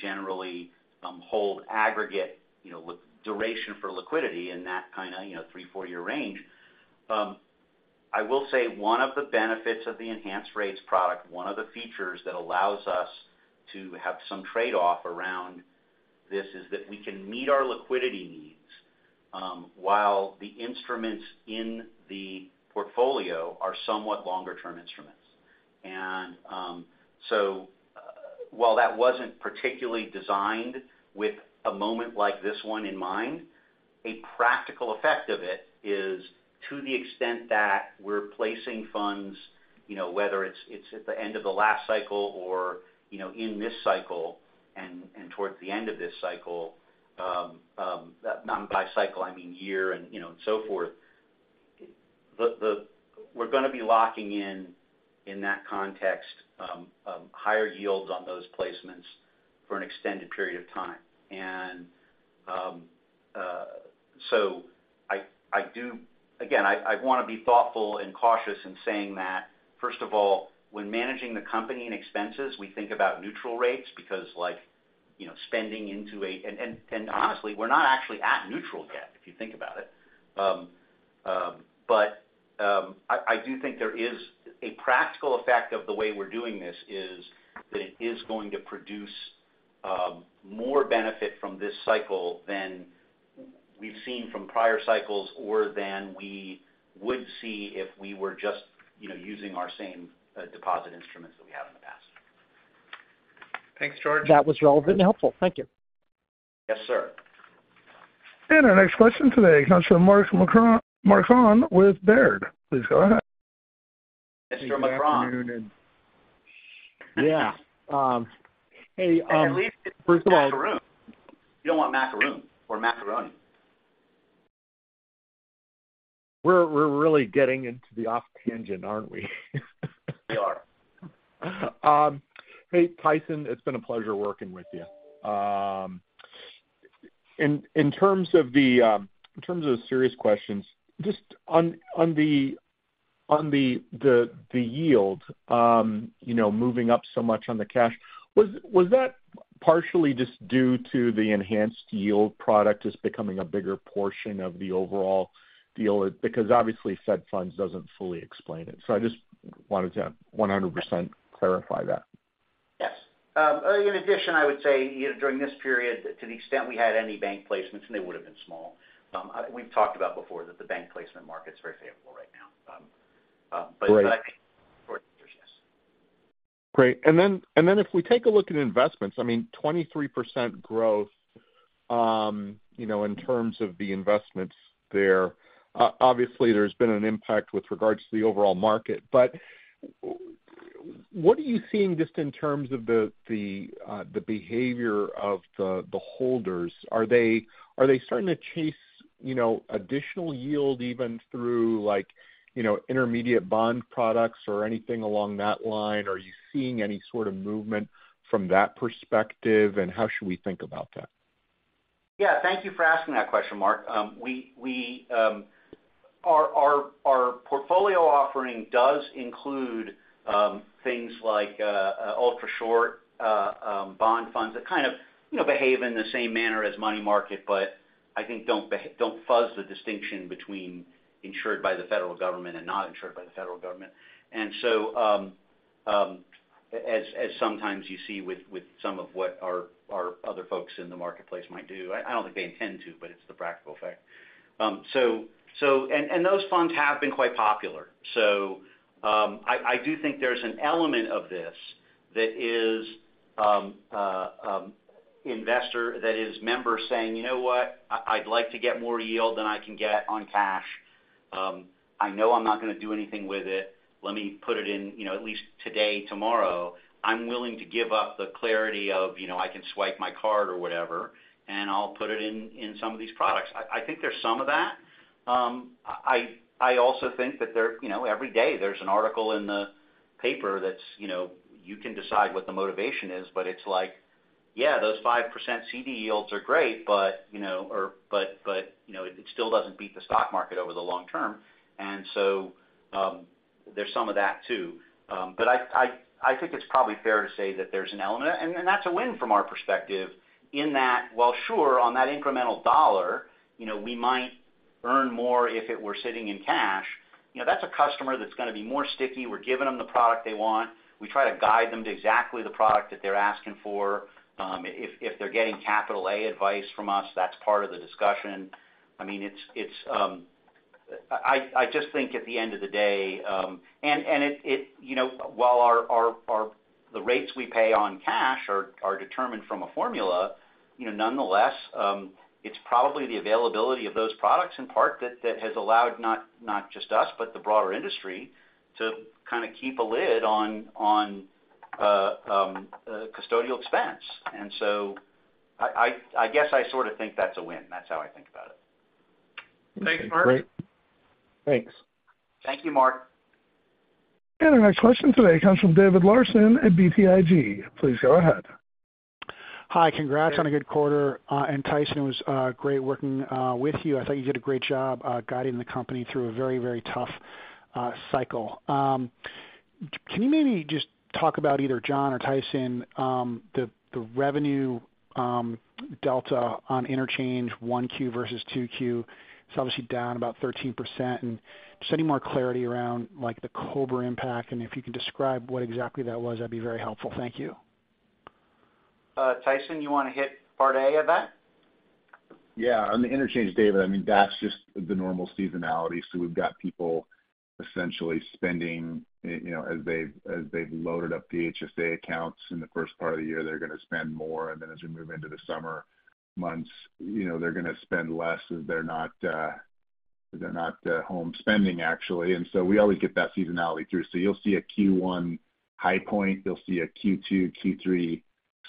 generally hold aggregate, you know, duration for liquidity in that kind of, you know, three-four-year range. I will say one of the benefits of the Enhanced Rates product, one of the features that allows us to have some trade-off around this, is that we can meet our liquidity needs while the instruments in the portfolio are somewhat longer-term instruments. And so while that wasn't particularly designed with a moment like this one in mind, a practical effect of it is to the extent that we're placing funds, you know, whether it's at the end of the last cycle or, you know, in this cycle and towards the end of this cycle, and by cycle, I mean year, and, you know, so forth. We're gonna be locking in, in that context, higher yields on those placements for an extended period of time. And so I do... Again, I want to be thoughtful and cautious in saying that, first of all, when managing the company and expenses, we think about neutral rates because like, you know, spending into a and honestly, we're not actually at neutral yet, if you think about it. But I do think there is a practical effect of the way we're doing this is that it is going to produce more benefit from this cycle than we've seen from prior cycles, or than we would see if we were just, you know, using our same deposit instruments that we have in the past. Thanks, George. That was relevant and helpful. Thank you. Yes, sir. Our next question today comes from Mark Marcon with Baird. Please go ahead. Mr. Marcon. Good afternoon. Yeah, hey, first of all- Macaron. You don't want macaroon or macaroni. We're really getting into the off tangent, aren't we? We are. Hey, Tyson, it's been a pleasure working with you. In terms of the serious questions, just on the yield, you know, moving up so much on the cash, was that partially just due to the enhanced yield product just becoming a bigger portion of the overall deal? Because obviously, Fed Funds doesn't fully explain it, so I just wanted to 100% clarify that. Yes. In addition, I would say, you know, during this period, to the extent we had any bank placements, and they would've been small, we've talked about before that the bank placement market's very favorable right now. But- Great. Yes. Great. And then if we take a look at investments, I mean, 23% growth, you know, in terms of the investments there, obviously, there's been an impact with regards to the overall market. But what are you seeing just in terms of the behavior of the holders? Are they starting to chase, you know, additional yield, even through like, you know, intermediate bond products or anything along that line? Are you seeing any sort of movement from that perspective, and how should we think about that? Yeah, thank you for asking that question, Mark. We, our portfolio offering does include things like ultra short bond funds that kind of, you know, behave in the same manner as money market, but I think don't fuzz the distinction between insured by the federal government and not insured by the federal government. And so, as sometimes you see with some of what our other folks in the marketplace might do, I don't think they intend to, but it's the practical effect. So, those funds have been quite popular. So, I do think there's an element of this that is investor, that is members saying: You know what? I'd like to get more yield than I can get on cash. I know I'm not gonna do anything with it. Let me put it in, you know, at least today, tomorrow. I'm willing to give up the clarity of, you know, I can swipe my card or whatever, and I'll put it in, in some of these products. I think there's some of that. I also think that there, you know, every day, there's an article in the paper that's, you know, you can decide what the motivation is, but it's like, yeah, those 5% CD yields are great, but, you know, or, but, but, you know, it still doesn't beat the stock market over the long term. And so, there's some of that, too. But I think it's probably fair to say that there's an element, and that's a win from our perspective, in that, while sure, on that incremental dollar, you know, we might earn more if it were sitting in cash... You know, that's a customer that's gonna be more sticky. We're giving them the product they want. We try to guide them to exactly the product that they're asking for. If they're getting capital A advice from us, that's part of the discussion. I mean, I just think at the end of the day... It, you know, while our rates we pay on cash are determined from a formula, you know, nonetheless, it's probably the availability of those products in part that has allowed not just us, but the broader industry to kind of keep a lid on custodial expense. And so I guess I sort of think that's a win. That's how I think about it. Thanks, Mark. Great. Thanks. Thank you, Mark. Our next question today comes from David Larsen at BTIG. Please go ahead. Hi, congrats on a good quarter, and Tyson, it was great working with you. I thought you did a great job guiding the company through a very, very tough cycle. Can you maybe just talk about, either Jon or Tyson, the revenue delta on interchange 1Q versus 2Q? It's obviously down about 13%. And just any more clarity around, like, the COBRA impact, and if you can describe what exactly that was, that'd be very helpful. Thank you. Tyson, you want to hit part A of that? Yeah. On the interchange, David, I mean, that's just the normal seasonality. So we've got people essentially spending, you know, as they've loaded up HSA accounts in the first part of the year, they're gonna spend more, and then as we move into the summer months, you know, they're gonna spend less as they're not home spending, actually. And so we always get that seasonality through. So you'll see a Q1 high point, you'll see a Q2, Q3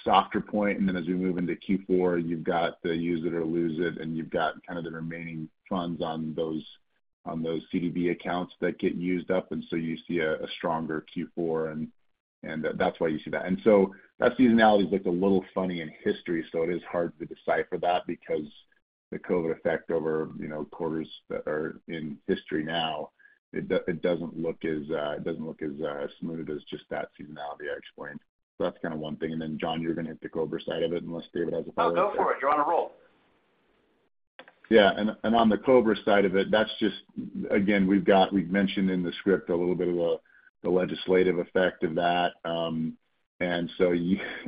softer point, and then as we move into Q4, you've got the use it or lose it, and you've got kind of the remaining trends on those CDB accounts that get used up, and so you see a stronger Q4, and that's why you see that. That seasonality is, like, a little funny in history, so it is hard to decipher that because the COVID effect over, you know, quarters that are in history now. It doesn't look as smooth as just that seasonality I explained. So that's kind of one thing. And then, Jon, you're gonna hit the COBRA side of it, unless David has a follow-up. No, go for it. You're on a roll. Yeah. And on the COBRA side of it, that's just... Again, we've mentioned in the script a little bit of the legislative effect of that. And so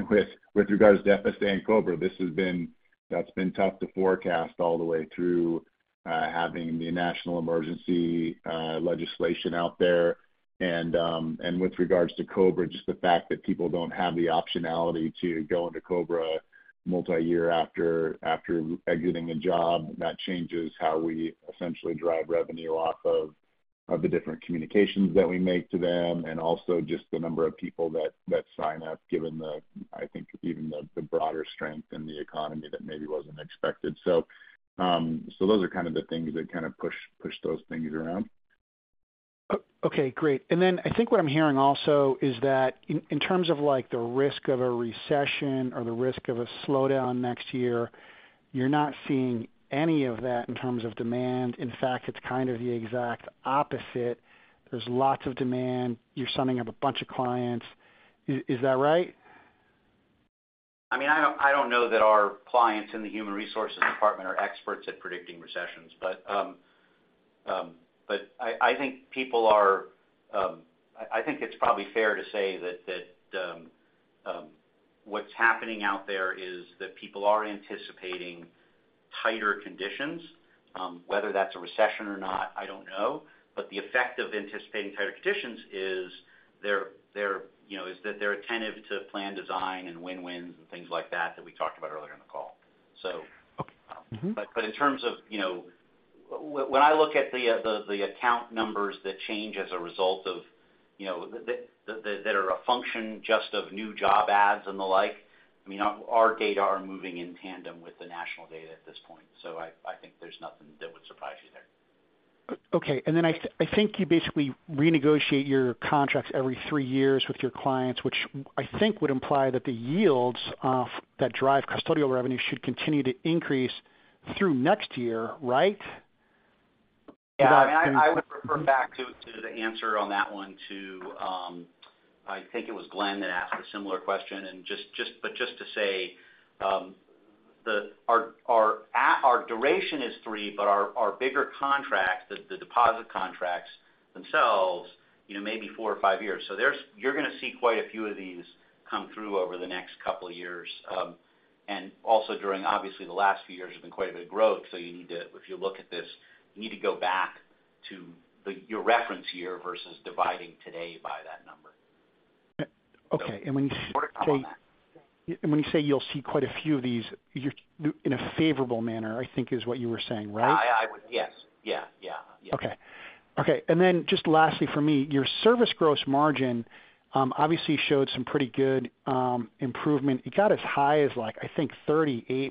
with regards to FSA and COBRA, this has been, that's been tough to forecast all the way through, having the national emergency legislation out there. And with regards to COBRA, just the fact that people don't have the optionality to go into COBRA multi-year after exiting a job, that changes how we essentially drive revenue off of the different communications that we make to them, and also just the number of people that sign up, given the, I think, even the broader strength in the economy that maybe wasn't expected. So those are kind of the things that kind of push those things around. Okay, great. And then I think what I'm hearing also is that in terms of, like, the risk of a recession or the risk of a slowdown next year, you're not seeing any of that in terms of demand. In fact, it's kind of the exact opposite. There's lots of demand. You're summing up a bunch of clients. Is that right? I mean, I don't know that our clients in the human resources department are experts at predicting recessions, but I think people are... I think it's probably fair to say that what's happening out there is that people are anticipating tighter conditions. Whether that's a recession or not, I don't know. But the effect of anticipating tighter conditions is they're, you know, is that they're attentive to plan design and win-wins and things like that that we talked about earlier in the call. So- Okay. Mm-hmm. But in terms of, you know, when I look at the account numbers that change as a result of, you know, that are a function just of new job ads and the like, I mean, our data are moving in tandem with the national data at this point, so I think there's nothing that would surprise you there. Okay. And then I think you basically renegotiate your contracts every three years with your clients, which I think would imply that the yields off that derive custodial revenue should continue to increase through next year, right? Yeah, I mean, I would refer back to the answer on that one. I think it was Glen that asked a similar question. And just to say, our duration is three, but our bigger contracts, the deposit contracts themselves, you know, may be four or five years. So you're gonna see quite a few of these come through over the next couple of years. And also during, obviously, the last few years have been quite a bit of growth. So you need to, if you look at this, go back to your reference year versus dividing today by that number. Okay, and when you say- More to come on that. When you say you'll see quite a few of these, you're, in a favorable manner, I think is what you were saying, right? Yes. Yeah, yeah, yeah. Okay. Okay, and then just lastly for me, your service gross margin, obviously showed some pretty good improvement. It got as high as like, I think, 38%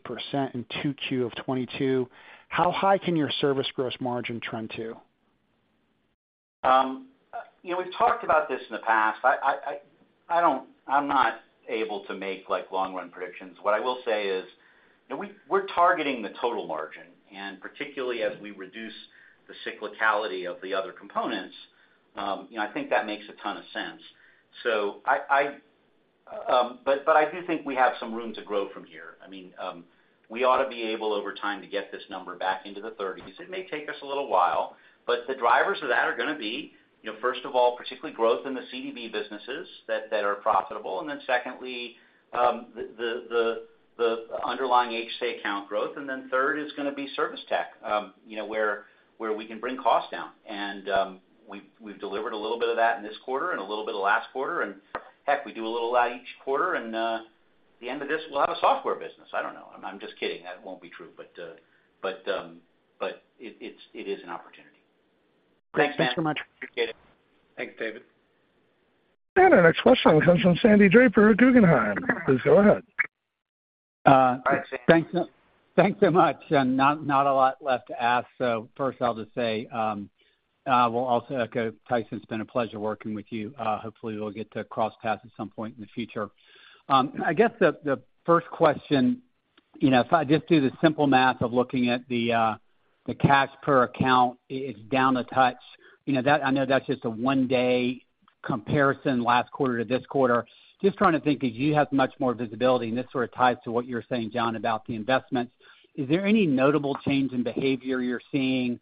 in 2Q of 2022. How high can your service gross margin trend to? You know, we've talked about this in the past. I don't. I'm not able to make, like, long-run predictions. What I will say is, you know, we're targeting the total margin, and particularly as we reduce the cyclicality of the other components. You know, I think that makes a ton of sense. But I do think we have some room to grow from here. I mean, we ought to be able, over time, to get this number back into the thirties. It may take us a little while, but the drivers of that are going to be, you know, first of all, particularly growth in the CDB businesses that are profitable. And then secondly, the underlying HSA account growth. And then third is going to be service tech, you know, where we can bring costs down. And we've delivered a little bit of that in this quarter and a little bit of last quarter. And heck, we do a little of that each quarter, and the end of this, we'll have a software business. I don't know. I'm just kidding, that won't be true, but it is an opportunity. Thanks, man. Thanks so much. Appreciate it. Thanks, David. Our next question comes from Sandy Draper at Guggenheim. Please go ahead. Uh- Hi, Sandy. Thanks, thanks so much. Not a lot left to ask. So first, I'll just say we'll also echo, Tyson, it's been a pleasure working with you. Hopefully, we'll get to cross paths at some point in the future. I guess the first question, you know, if I just do the simple math of looking at the cash per account, it's down a touch. You know, that I know that's just a one-day comparison, last quarter to this quarter. Just trying to think, as you have much more visibility, and this sort of ties to what you were saying, Jon, about the investments. Is there any notable change in behavior you're seeing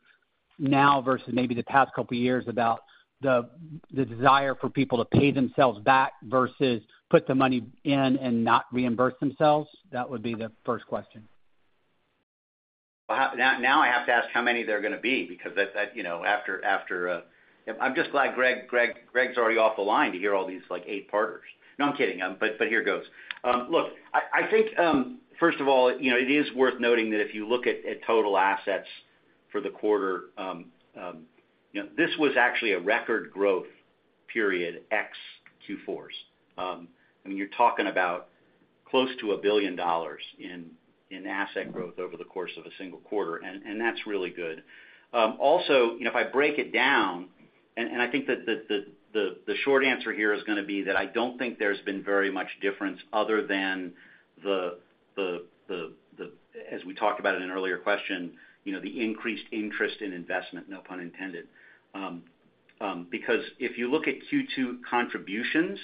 now versus maybe the past couple of years about the desire for people to pay themselves back versus put the money in and not reimburse themselves? That would be the first question. Well, now I have to ask how many there are going to be, because that, you know, after, after... I'm just glad Greg's already off the line to hear all these, like, eight parters. No, I'm kidding, but here it goes. Look, I think, first of all, you know, it is worth noting that if you look at total assets for the quarter, you know, this was actually a record growth period, ex Q4s. I mean, you're talking about close to $1 billion in asset growth over the course of a single quarter, and that's really good. Also, you know, if I break it down... I think that the short answer here is going to be that I don't think there's been very much difference other than, as we talked about in an earlier question, you know, the increased interest in investment, no pun intended. Because if you look at Q2 contributions,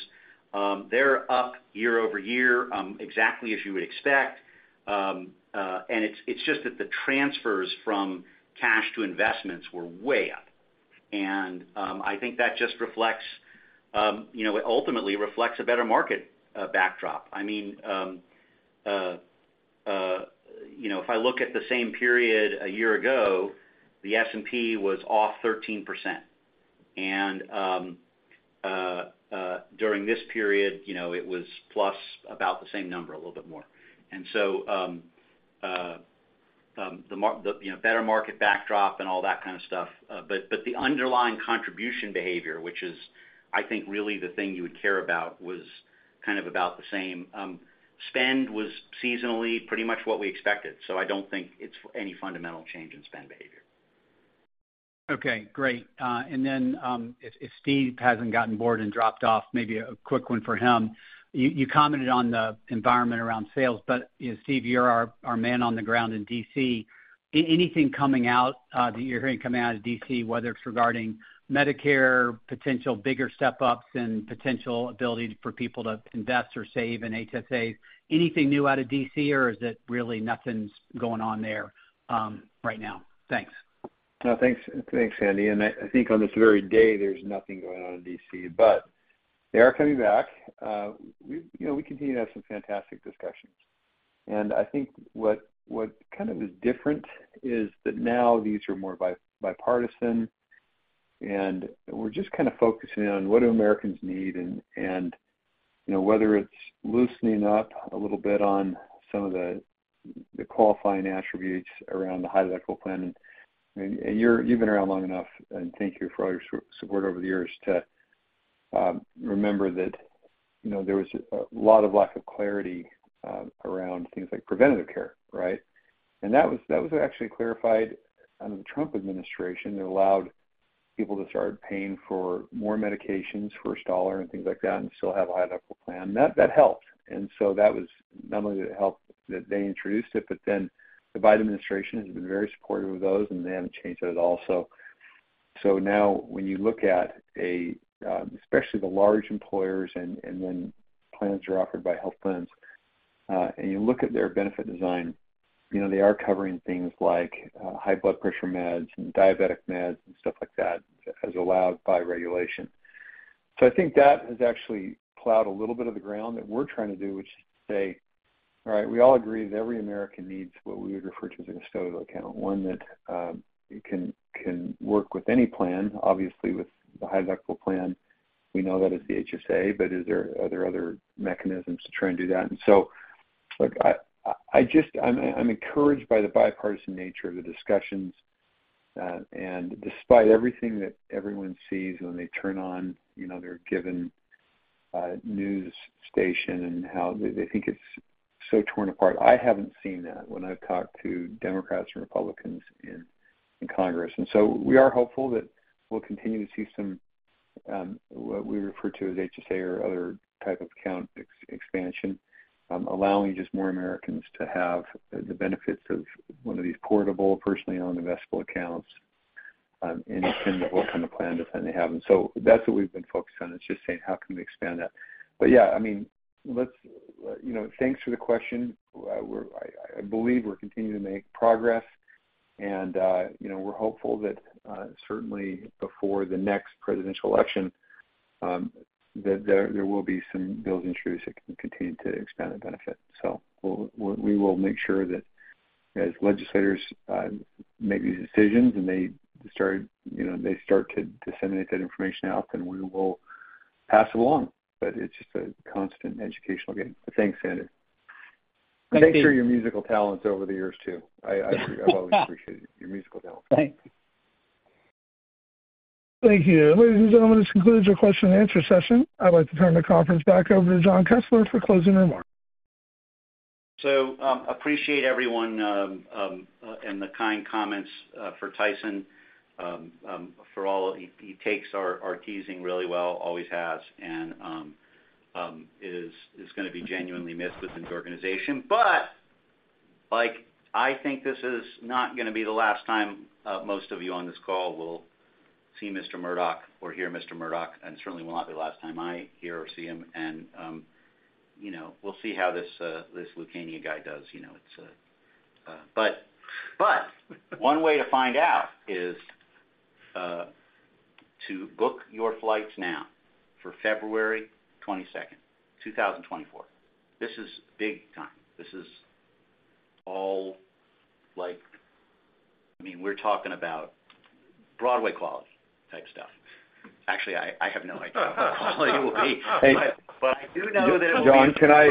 they're up year-over-year, exactly as you would expect. And it's just that the transfers from cash to investments were way up. And I think that just reflects, you know, it ultimately reflects a better market backdrop. I mean, you know, if I look at the same period a year ago, the S&P was off 13%. During this period, you know, it was plus about the same number, a little bit more. And so, you know, better market backdrop and all that kind of stuff. But the underlying contribution behavior, which is, I think, really the thing you would care about, was kind of about the same. Spend was seasonally pretty much what we expected, so I don't think it's any fundamental change in spend behavior. Okay, great. And then, if Steve hasn't gotten bored and dropped off, maybe a quick one for him. You commented on the environment around sales, but, you know, Steve, you're our man on the ground in D.C. Anything coming out that you're hearing coming out of D.C., whether it's regarding Medicare, potential bigger step-ups and potential ability for people to invest or save in HSAs? Anything new out of D.C., or is it really nothing's going on there right now? Thanks. No, thanks, thanks, Sandy. I think on this very day, there's nothing going on in D.C., but they are coming back. We, you know, we continue to have some fantastic discussions. I think what kind of is different is that now these are more bipartisan, and we're just kind of focusing on what do Americans need? You know, whether it's loosening up a little bit on some of the qualifying attributes around the high deductible plan. I mean, and you're, you've been around long enough, and thank you for all your support over the years, to remember that, you know, there was a lot of lack of clarity around things like preventative care, right? And that was actually clarified under the Trump administration. It allowed people to start paying for more medications for a dollar and things like that, and still have a high deductible plan. That helped. So that was not only did it help that they introduced it, but then the Biden administration has been very supportive of those, and they haven't changed that at all. So now when you look at a, especially the large employers and when plans are offered by health plans, and you look at their benefit design, you know, they are covering things like, high blood pressure meds and diabetic meds and stuff like that, as allowed by regulation. So I think that has actually plowed a little bit of the ground that we're trying to do, which is to say, all right, we all agree that every American needs what we would refer to as a custodial account, one that can work with any plan. Obviously, with the high deductible plan, we know that it's the HSA, but is there, are there other mechanisms to try and do that? And so, look, I just—I'm encouraged by the bipartisan nature of the discussions, and despite everything that everyone sees when they turn on, you know, their given news station and how they think it's so torn apart, I haven't seen that when I've talked to Democrats and Republicans in Congress. And so we are hopeful that we'll continue to see some, what we refer to as HSA or other type of account expansion, allowing just more Americans to have the benefits of one of these portable, personally owned, investable accounts. And they tend to book on the plan if then they have them. So that's what we've been focused on. It's just saying, how can we expand that? But yeah, I mean, let's, you know, thanks for the question. We're—I believe we're continuing to make progress, and, you know, we're hopeful that, certainly before the next presidential election, that there will be some bills and truths that can continue to expand the benefit. So we'll make sure that as legislators make these decisions and they start, you know, they start to disseminate that information out, then we will pass it along. But it's just a constant educational game. Thanks, Sandy. Thank you for your musical talents over the years, too. I've always appreciated your musical talents. Thanks. Thank you. Ladies and gentlemen, this concludes your question and answer session. I'd like to turn the conference back over to Jon Kessler for closing remarks. So, appreciate everyone and the kind comments for Tyson for all. He takes our teasing really well, always has, and is gonna be genuinely missed within the organization. But, like, I think this is not gonna be the last time most of you on this call will see Mr. Murdock or hear Mr. Murdock, and certainly will not be the last time I hear or see him. And, you know, we'll see how this Lucania guy does. You know, it's... But one way to find out is to book your flights now for February 22nd, 2024. This is big time. This is all like, I mean, we're talking about Broadway quality type stuff. Actually, I have no idea what the quality will be. But I do know that- Jon, can I?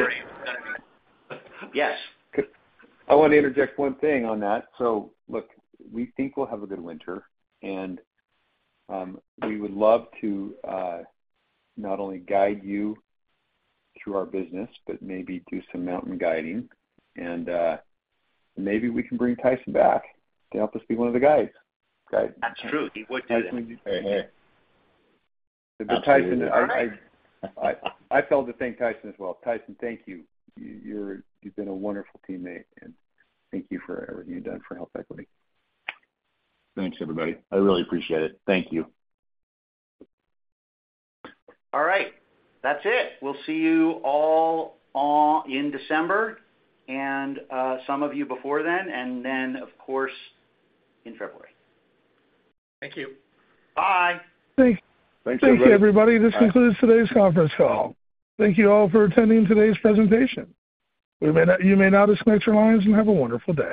Yes. I want to interject one thing on that. So look, we think we'll have a good winter, and we would love to not only guide you through our business but maybe do some mountain guiding, and maybe we can bring Tyson back to help us be one of the guys. Guys- That's true. He would do that. Hey, hey. But Tyson, I failed to thank Tyson as well. Tyson, thank you. You've been a wonderful teammate, and thank you for everything you've done for HealthEquity. Thanks, everybody. I really appreciate it. Thank you. All right, that's it. We'll see you all in December, and some of you before then, and then, of course, in February. Thank you. Bye. Thank- Thanks, everybody. Thank you, everybody. This concludes today's conference call. Thank you all for attending today's presentation. We may now - you may now disconnect your lines and have a wonderful day.